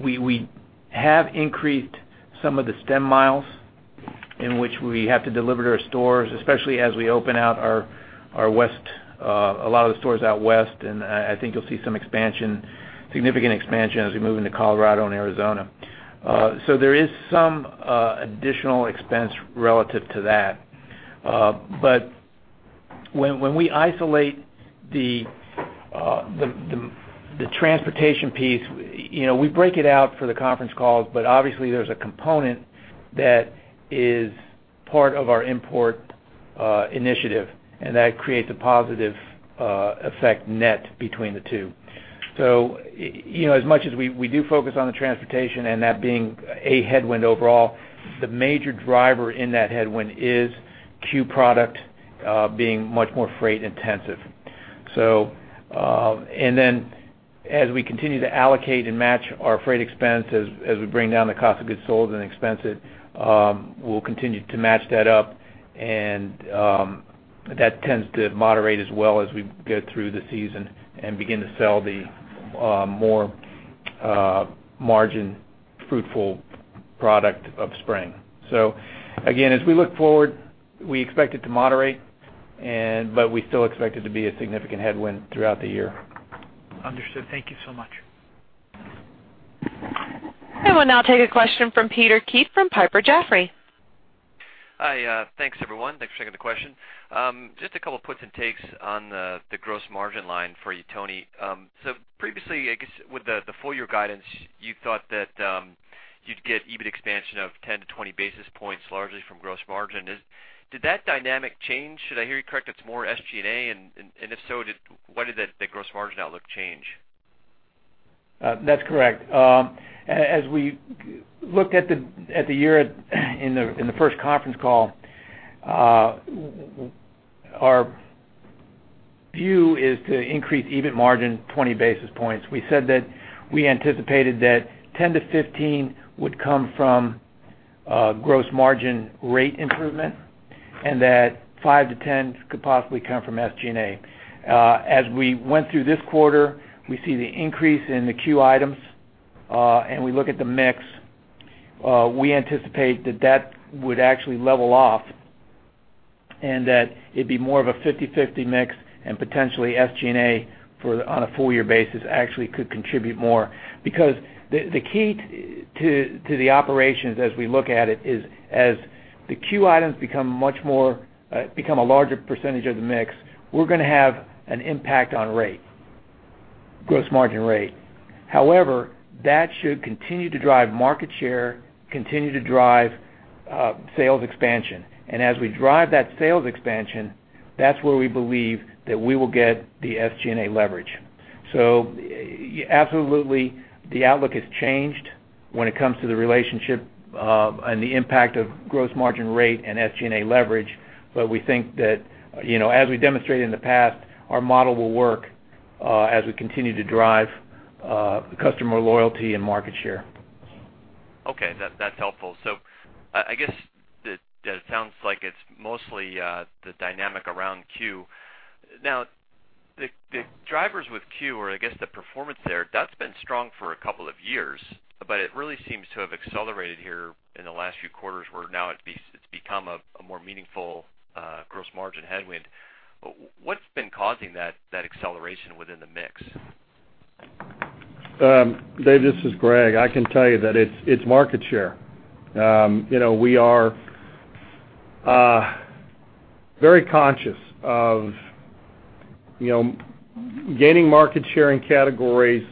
We have increased some of the stem miles in which we have to deliver to our stores, especially as we open out our West, a lot of the stores out West, and I think you will see some significant expansion as we move into Colorado and Arizona. There is some additional expense relative to that. When we isolate the transportation piece, we break it out for the conference calls, but obviously, there's a component that is part of our import initiative, and that creates a positive effect net between the two. As much as we do focus on the transportation and that being a headwind overall, the major driver in that headwind is CUE product being much more freight-intensive. As we continue to allocate and match our freight expense as we bring down the cost of goods sold and expense it, we'll continue to match that up, and that tends to moderate as well as we go through the season and begin to sell the more margin-fruitful product of spring. As we look forward, we expect it to moderate, but we still expect it to be a significant headwind throughout the year. Understood. Thank you so much. We'll now take a question from Peter Keith from Piper Jaffray. Hi. Thanks, everyone. Thanks for taking the question. Just a couple of puts and takes on the gross margin line for you, Tony. Previously, I guess with the full-year guidance, you thought that you'd get EBIT expansion of 10-20 basis points, largely from gross margin. Did that dynamic change? Should I hear you correct, it's more SG&A, and if so, why did the gross margin outlook change? That's correct. As we looked at the year in the first conference call, our view is to increase EBIT margin 20 basis points. We said that we anticipated that 10 to 15 would come from gross margin rate improvement and that five to 10 could possibly come from SG&A. As we went through this quarter, we see the increase in the CUE items, and we look at the mix. We anticipate that would actually level off and that it'd be more of a 50/50 mix and potentially SG&A on a full-year basis actually could contribute more. The key to the operations as we look at it is as the CUE items become a larger percentage of the mix, we're going to have an impact on gross margin rate. However, that should continue to drive market share, continue to drive sales expansion. As we drive that sales expansion, that's where we believe that we will get the SG&A leverage. Absolutely, the outlook has changed when it comes to the relationship and the impact of gross margin rate and SG&A leverage. We think that, as we demonstrated in the past, our model will work as we continue to drive customer loyalty and market share. Okay. That's helpful. I guess that it sounds like it's mostly the dynamic around Q. The drivers with Q, or I guess the performance there, that's been strong for a couple of years, but it really seems to have accelerated here in the last few quarters, where now it's become a more meaningful gross margin headwind. What's been causing that acceleration within the mix? Dave, this is Greg. I can tell you that it's market share. We are very conscious of gaining market share in categories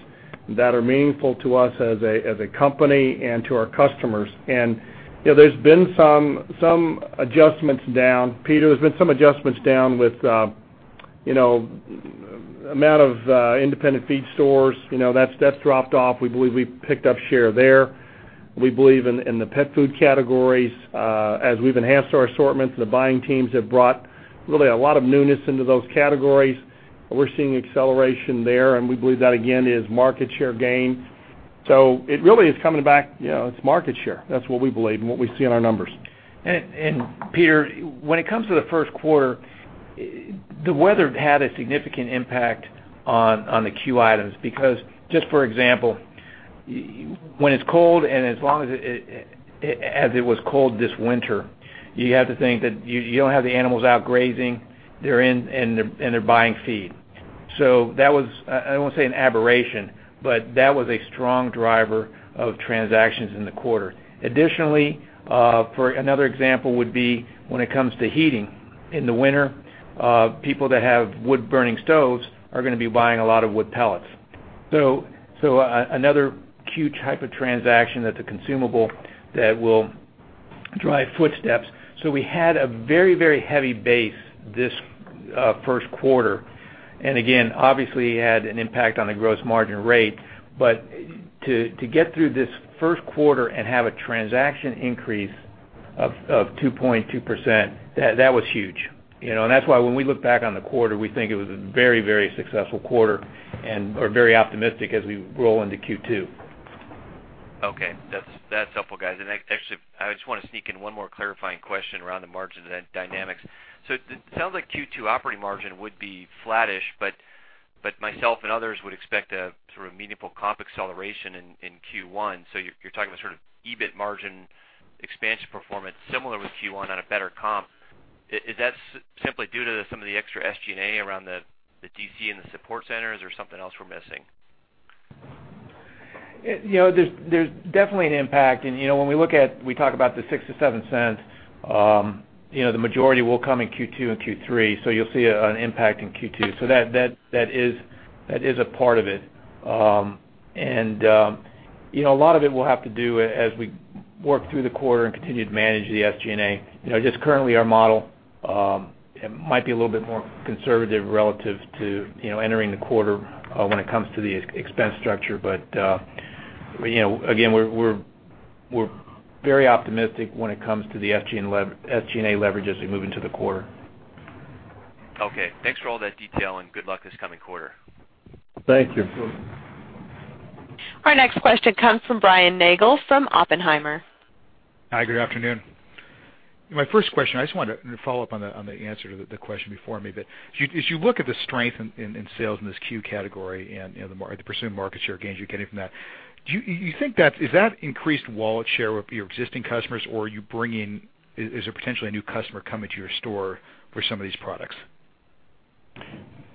that are meaningful to us as a company and to our customers. There's been some adjustments down, Peter, there's been some adjustments down with amount of independent feed stores. That's dropped off. We believe we picked up share there. We believe in the pet food categories, as we've enhanced our assortments, the buying teams have brought really a lot of newness into those categories. We're seeing acceleration there, and we believe that, again, is market share gain. It really is coming back. It's market share. That's what we believe and what we see in our numbers. Peter, when it comes to the first quarter, the weather had a significant impact on the CUE items because, just for example, when it's cold and as it was cold this winter, you have to think that you don't have the animals out grazing. They're in and they're buying feed. That was, I don't want to say an aberration, but that was a strong driver of transactions in the quarter. Additionally, for another example would be when it comes to heating. In the winter, people that have wood-burning stoves are going to be buying a lot of wood pellets. Another CUE type of transaction that's a consumable that will drive footsteps. We had a very heavy base this first quarter, again, obviously, it had an impact on the gross margin rate. To get through this first quarter and have a transaction increase of 2.2%, that was huge. That's why when we look back on the quarter, we think it was a very successful quarter and are very optimistic as we roll into Q2. Okay. That's helpful, guys. Actually, I just want to sneak in one more clarifying question around the margin dynamics. It sounds like Q2 operating margin would be flattish, myself and others would expect a sort of meaningful comp acceleration in Q1. You're talking about sort of EBIT margin expansion performance similar with Q1 on a better comp. Is that simply due to some of the extra SG&A around the DC and the support centers or something else we're missing? There's definitely an impact. When we talk about the $0.06-$0.07, the majority will come in Q2 and Q3, you'll see an impact in Q2. That is a part of it. A lot of it will have to do as we work through the quarter and continue to manage the SG&A. Just currently, our model might be a little bit more conservative relative to entering the quarter when it comes to the expense structure. Again, we're very optimistic when it comes to the SG&A leverage as we move into the quarter. Okay. Thanks for all that detail, good luck this coming quarter. Thank you. Thank you. Our next question comes from Brian Nagel from Oppenheimer. Hi, good afternoon. My first question, I just wanted to follow up on the answer to the question before me a bit. As you look at the strength in sales in this CUE category and the presumed market share gains you're getting from that, is that increased wallet share with your existing customers, or is there potentially a new customer coming to your store for some of these products?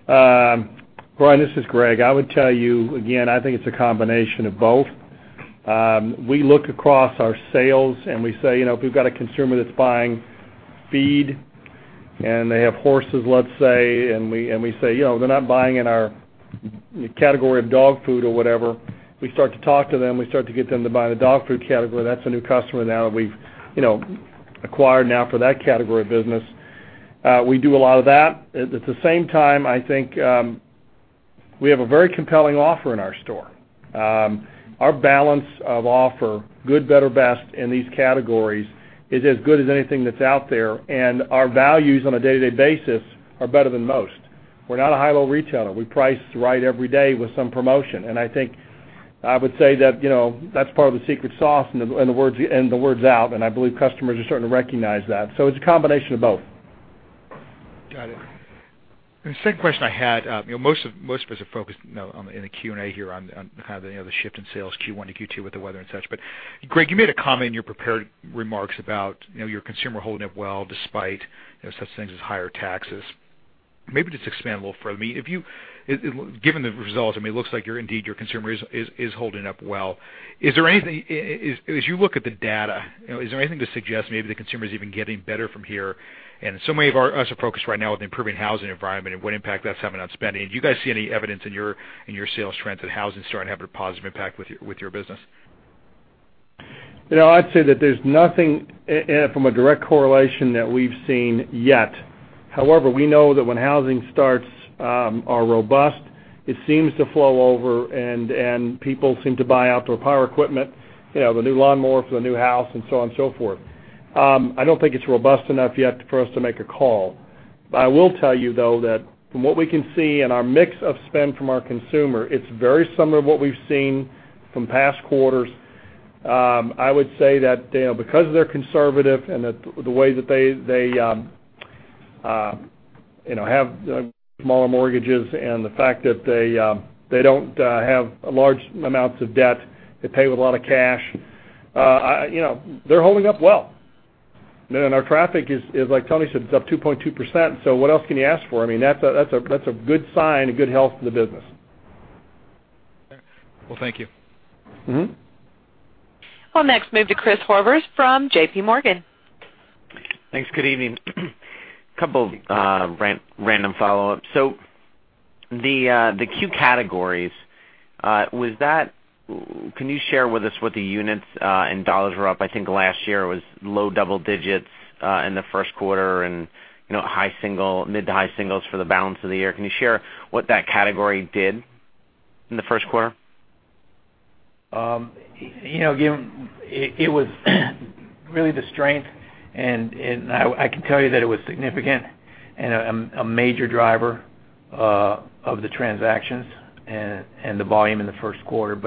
Brian, this is Greg. I would tell you, again, I think it's a combination of both. We look across our sales and we say, if we've got a consumer that's buying feed and they have horses, let's say, and we say they're not buying in our category of dog food or whatever, we start to talk to them. We start to get them to buy the dog food category. That's a new customer now that we've acquired now for that category of business. We do a lot of that. At the same time, I think we have a very compelling offer in our store. Our balance of offer, good, better, best in these categories is as good as anything that's out there, and our values on a day-to-day basis are better than most. We're not a high-low retailer. We price right every day with some promotion. I think I would say that's part of the secret sauce and the word's out, and I believe customers are starting to recognize that. It's a combination of both. Got it. The second question I had, most of us are focused now in the Q&A here on the shift in sales Q1 to Q2 with the weather and such. Greg, you made a comment in your prepared remarks about your consumer holding up well despite such things as higher taxes. Maybe just expand a little further. Given the results, it looks like indeed your consumer is holding up well. As you look at the data, is there anything to suggest maybe the consumer is even getting better from here? Many of us are focused right now on the improving housing environment and what impact that's having on spending. Do you guys see any evidence in your sales trends that housing's starting to have a positive impact with your business? I'd say that there's nothing from a direct correlation that we've seen yet. However, we know that when housing starts are robust, it seems to flow over and people seem to buy outdoor power equipment, the new lawnmower for the new house and so on and so forth. I don't think it's robust enough yet for us to make a call. I will tell you though, that from what we can see in our mix of spend from our consumer, it's very similar to what we've seen from past quarters. I would say that because they're conservative and the way that they have smaller mortgages and the fact that they don't have large amounts of debt, they pay with a lot of cash. They're holding up well. Our traffic is, like Tony said, it's up 2.2%. What else can you ask for? That's a good sign and good health for the business. Well, thank you. I'll next move to Christopher Horvers from J.P. Morgan. Thanks. Good evening. Couple random follow-ups. The CUE categories, can you share with us what the units in dollars were up? I think last year it was low double digits in Q1 and mid to high singles for the balance of the year. Can you share what that category did in Q1? It was really the strength, and I can tell you that it was significant and a major driver of the transactions and the volume in Q1.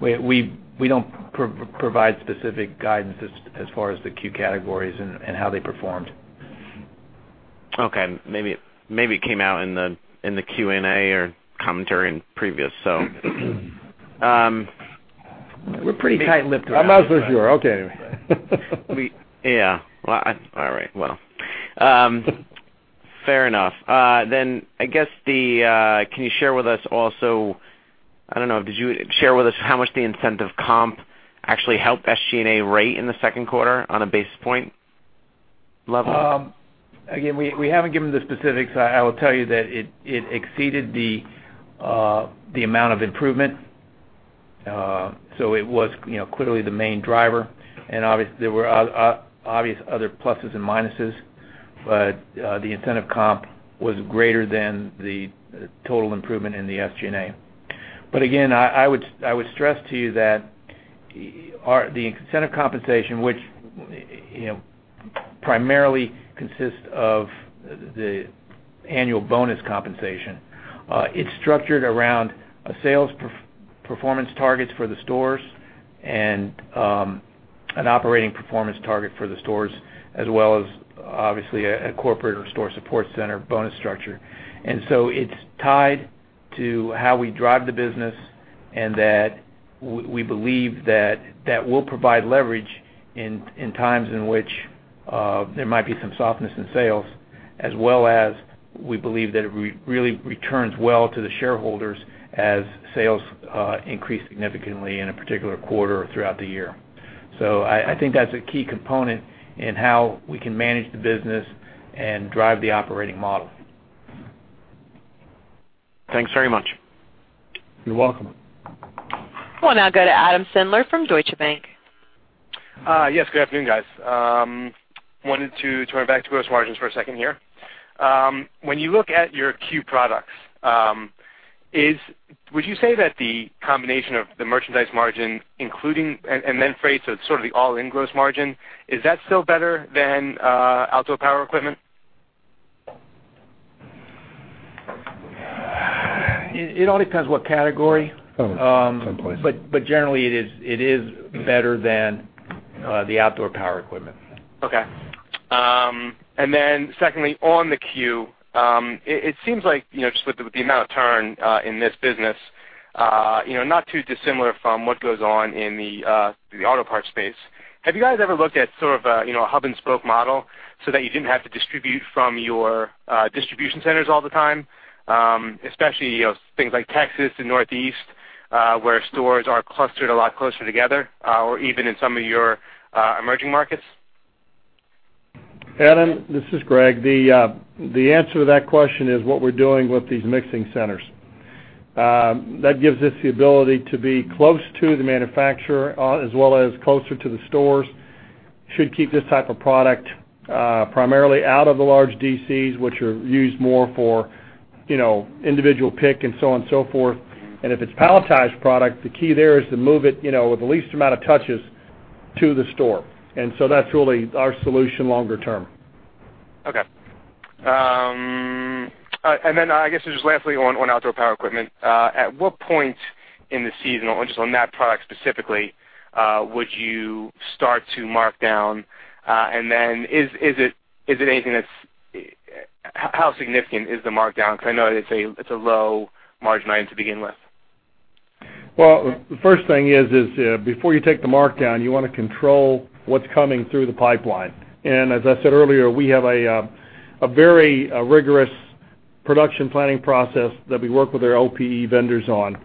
We don't provide specific guidance as far as the CUE categories and how they performed. Okay. Maybe it came out in the Q&A or commentary in previous. We're pretty tight-lipped around here. I'm not so sure. Okay, anyway. Yeah. All right. Well. Fair enough. Can you share with us also, I don't know, did you share with us how much the incentive comp actually helped SG&A rate in the second quarter on a basis point level? We haven't given the specifics. I will tell you that it exceeded the amount of improvement. It was clearly the main driver, and obviously, there were obvious other pluses and minuses. The incentive comp was greater than the total improvement in the SG&A. Again, I would stress to you that the incentive compensation, which primarily consists of the annual bonus compensation, is structured around sales performance targets for the stores and an operating performance target for the stores, as well as, obviously, a corporate or store support center bonus structure. It's tied to how we drive the business and that we believe that will provide leverage in times in which there might be some softness in sales, as well as we believe that it really returns well to the shareholders as sales increase significantly in a particular quarter or throughout the year. I think that's a key component in how we can manage the business and drive the operating model. Thanks very much. You're welcome. We'll now go to Adam Sindler from Deutsche Bank. Yes, good afternoon, guys. I wanted to turn back to gross margins for a second here. When you look at your CUE products, would you say that the combination of the merchandise margin including and then freight, so it's sort of the all-in gross margin, is that still better than outdoor power equipment? It all depends what category. Oh, someplace. Generally, it is better than the outdoor power equipment. Okay. Secondly, on the CUE, it seems like, just with the amount of turn in this business, not too dissimilar from what goes on in the auto parts space. Have you guys ever looked at sort of a hub-and-spoke model so that you didn't have to distribute from your distribution centers all the time, especially, things like Texas and Northeast, where stores are clustered a lot closer together, or even in some of your emerging markets? Adam, this is Greg. The answer to that question is what we're doing with these mixing centers. That gives us the ability to be close to the manufacturer as well as closer to the stores. Should keep this type of product primarily out of the large DCs, which are used more for individual pick and so on and so forth. If it's palletized product, the key there is to move it with the least amount of touches to the store. That's really our solution longer term. Okay. I guess just lastly on outdoor power equipment, at what point in the season, or just on that product specifically, would you start to mark down? How significant is the markdown? Because I know that it's a low-margin item to begin with. Well, the first thing is, before you take the markdown, you want to control what's coming through the pipeline. As I said earlier, we have a very rigorous production planning process that we work with our OPE vendors on.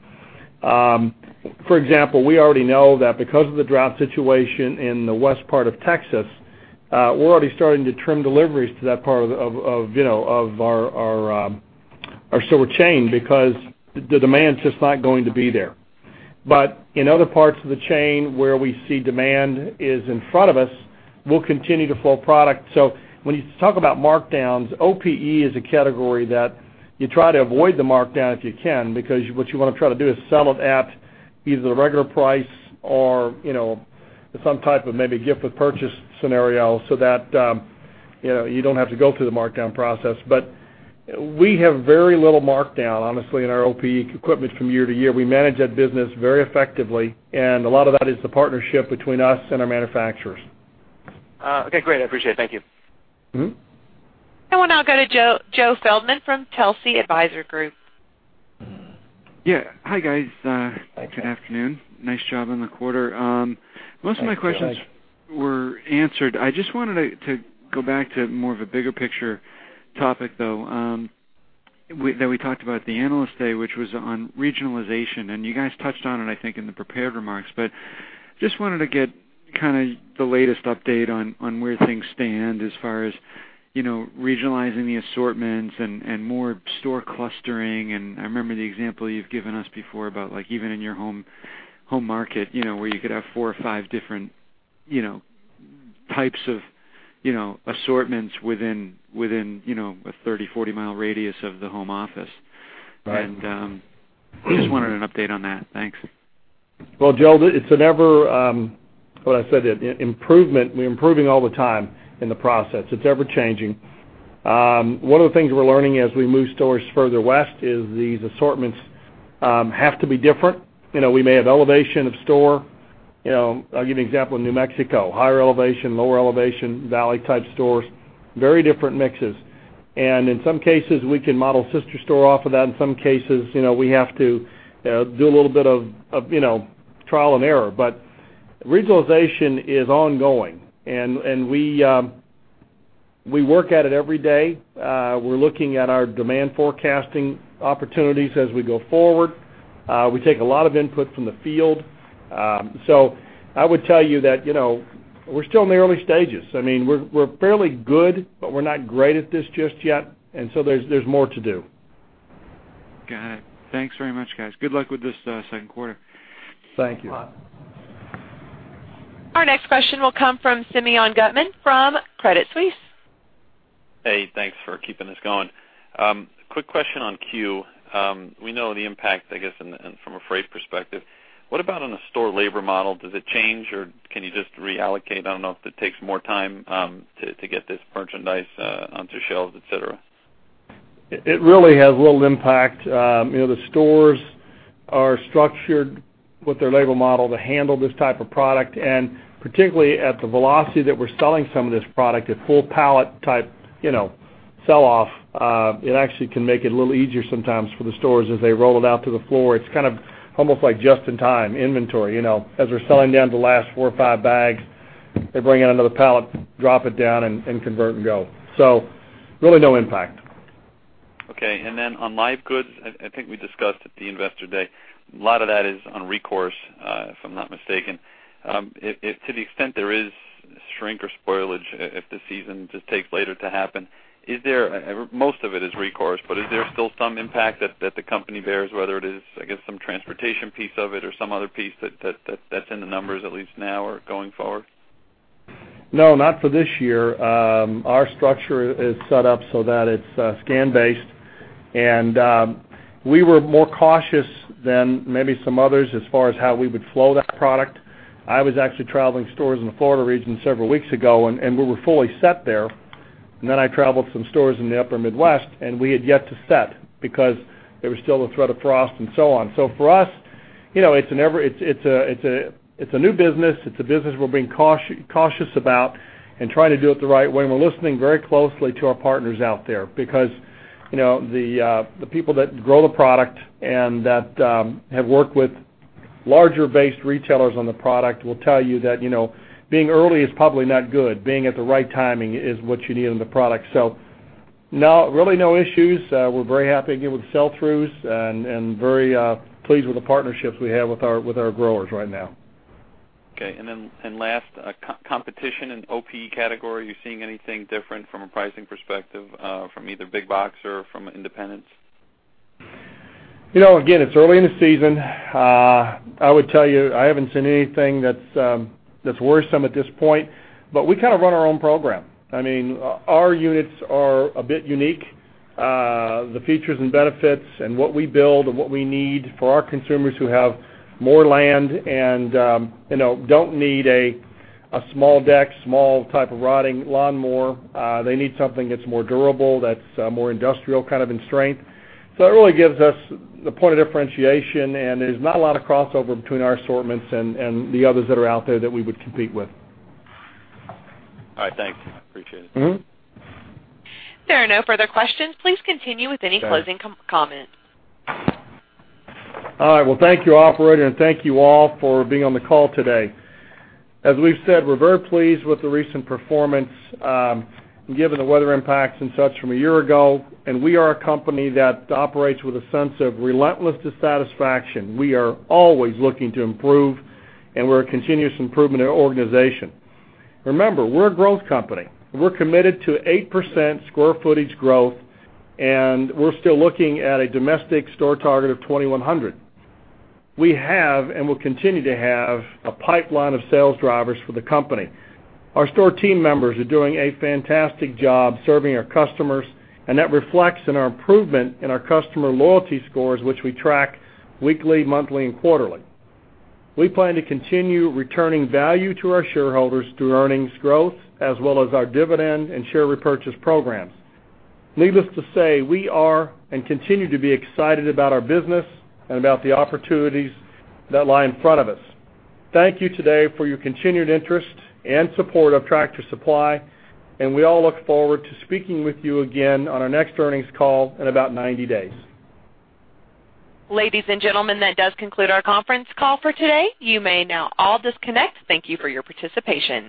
For example, we already know that because of the drought situation in the west part of Texas, we're already starting to trim deliveries to that part of our supply chain because the demand's just not going to be there. In other parts of the chain where we see demand is in front of us, we'll continue to flow product. When you talk about markdowns, OPE is a category that you try to avoid the markdown if you can because what you want to try to do is sell it at either the regular price or some type of maybe gift with purchase scenario so that you don't have to go through the markdown process. We have very little markdown, honestly, in our OPE equipment from year to year. We manage that business very effectively, and a lot of that is the partnership between us and our manufacturers. Okay, great. I appreciate it. Thank you. We'll now go to Joe Feldman from Telsey Advisory Group. Yeah. Hi, guys. Hi. Good afternoon. Nice job on the quarter. Thanks. Most of my questions were answered. I just wanted to go back to more of a bigger picture topic, though, that we talked about at the Analyst Day, which was on regionalization, and you guys touched on it, I think, in the prepared remarks. Just wanted to get kind of the latest update on where things stand as far as regionalizing the assortments and more store clustering. I remember the example you've given us before about even in your home market, where you could have four or five different types of assortments within a 30, 40-mile radius of the home office. Right. Just wanted an update on that. Thanks. Well, Joe, what do I said? Improvement. We're improving all the time in the process. It's ever-changing. One of the things we're learning as we move stores further west is these assortments have to be different. We may have elevation of store. I'll give you an example in New Mexico. Higher elevation, lower elevation, valley-type stores, very different mixes. In some cases, we can model sister store off of that. In some cases, we have to do a little bit of trial and error. Regionalization is ongoing, and we work at it every day. We're looking at our demand forecasting opportunities as we go forward. We take a lot of input from the field. I would tell you that we're still in the early stages. We're fairly good, but we're not great at this just yet, and so there's more to do. Got it. Thanks very much, guys. Good luck with this second quarter. Thank you. Our next question will come from Simeon Gutman from Credit Suisse. Hey, thanks for keeping this going. Quick question on Q. We know the impact, I guess, from a freight perspective. What about on the store labor model? Does it change, or can you just reallocate? I don't know if it takes more time to get this merchandise onto shelves, et cetera. It really has little impact. The stores are structured with their labor model to handle this type of product. Particularly at the velocity that we're selling some of this product at full pallet type sell-off, it actually can make it a little easier sometimes for the stores as they roll it out to the floor. It's kind of almost like just-in-time inventory. As they're selling down to the last four or five bags, they bring in another pallet, drop it down, and convert and go. Really no impact. Okay. Then on live goods, I think we discussed at the Investor Day, a lot of that is on recourse, if I'm not mistaken. To the extent there is shrink or spoilage, if the season just takes later to happen. Most of it is recourse, but is there still some impact that the company bears, whether it is, I guess, some transportation piece of it or some other piece that's in the numbers, at least now or going forward? No, not for this year. Our structure is set up so that it's scan-based. We were more cautious than maybe some others as far as how we would flow that product. I was actually traveling stores in the Florida region several weeks ago, and we were fully set there. I traveled some stores in the upper Midwest, and we had yet to set because there was still a threat of frost and so on. For us, it's a new business. It's a business we're being cautious about and trying to do it the right way. We're listening very closely to our partners out there because the people that grow the product and that have worked with larger-based retailers on the product will tell you that being early is probably not good. Being at the right timing is what you need in the product. Really no issues. We're very happy again with sell-throughs and very pleased with the partnerships we have with our growers right now. Okay. Last, competition in OPE category. Are you seeing anything different from a pricing perspective from either big box or from independents? Again, it's early in the season. I would tell you, I haven't seen anything that's worrisome at this point, but we kind of run our own program. Our units are a bit unique. The features and benefits and what we build and what we need for our consumers who have more land and don't need a small deck, small type of riding lawnmower. They need something that's more durable, that's more industrial kind of in strength. It really gives us the point of differentiation, and there's not a lot of crossover between our assortments and the others that are out there that we would compete with. All right. Thanks. Appreciate it. There are no further questions. Please continue with any closing comments. All right. Thank you, operator, and thank you all for being on the call today. As we've said, we're very pleased with the recent performance, given the weather impacts and such from a year ago, and we are a company that operates with a sense of relentless dissatisfaction. We are always looking to improve, and we're a continuous improvement organization. Remember, we're a growth company. We're committed to 8% square footage growth, and we're still looking at a domestic store target of 2,100. We have, and will continue to have, a pipeline of sales drivers for the company. Our store team members are doing a fantastic job serving our customers, and that reflects in our improvement in our customer loyalty scores, which we track weekly, monthly, and quarterly. We plan to continue returning value to our shareholders through earnings growth, as well as our dividend and share repurchase programs. Needless to say, we are and continue to be excited about our business and about the opportunities that lie in front of us. Thank you today for your continued interest and support of Tractor Supply, and we all look forward to speaking with you again on our next earnings call in about 90 days. Ladies and gentlemen, that does conclude our conference call for today. You may now all disconnect. Thank you for your participation.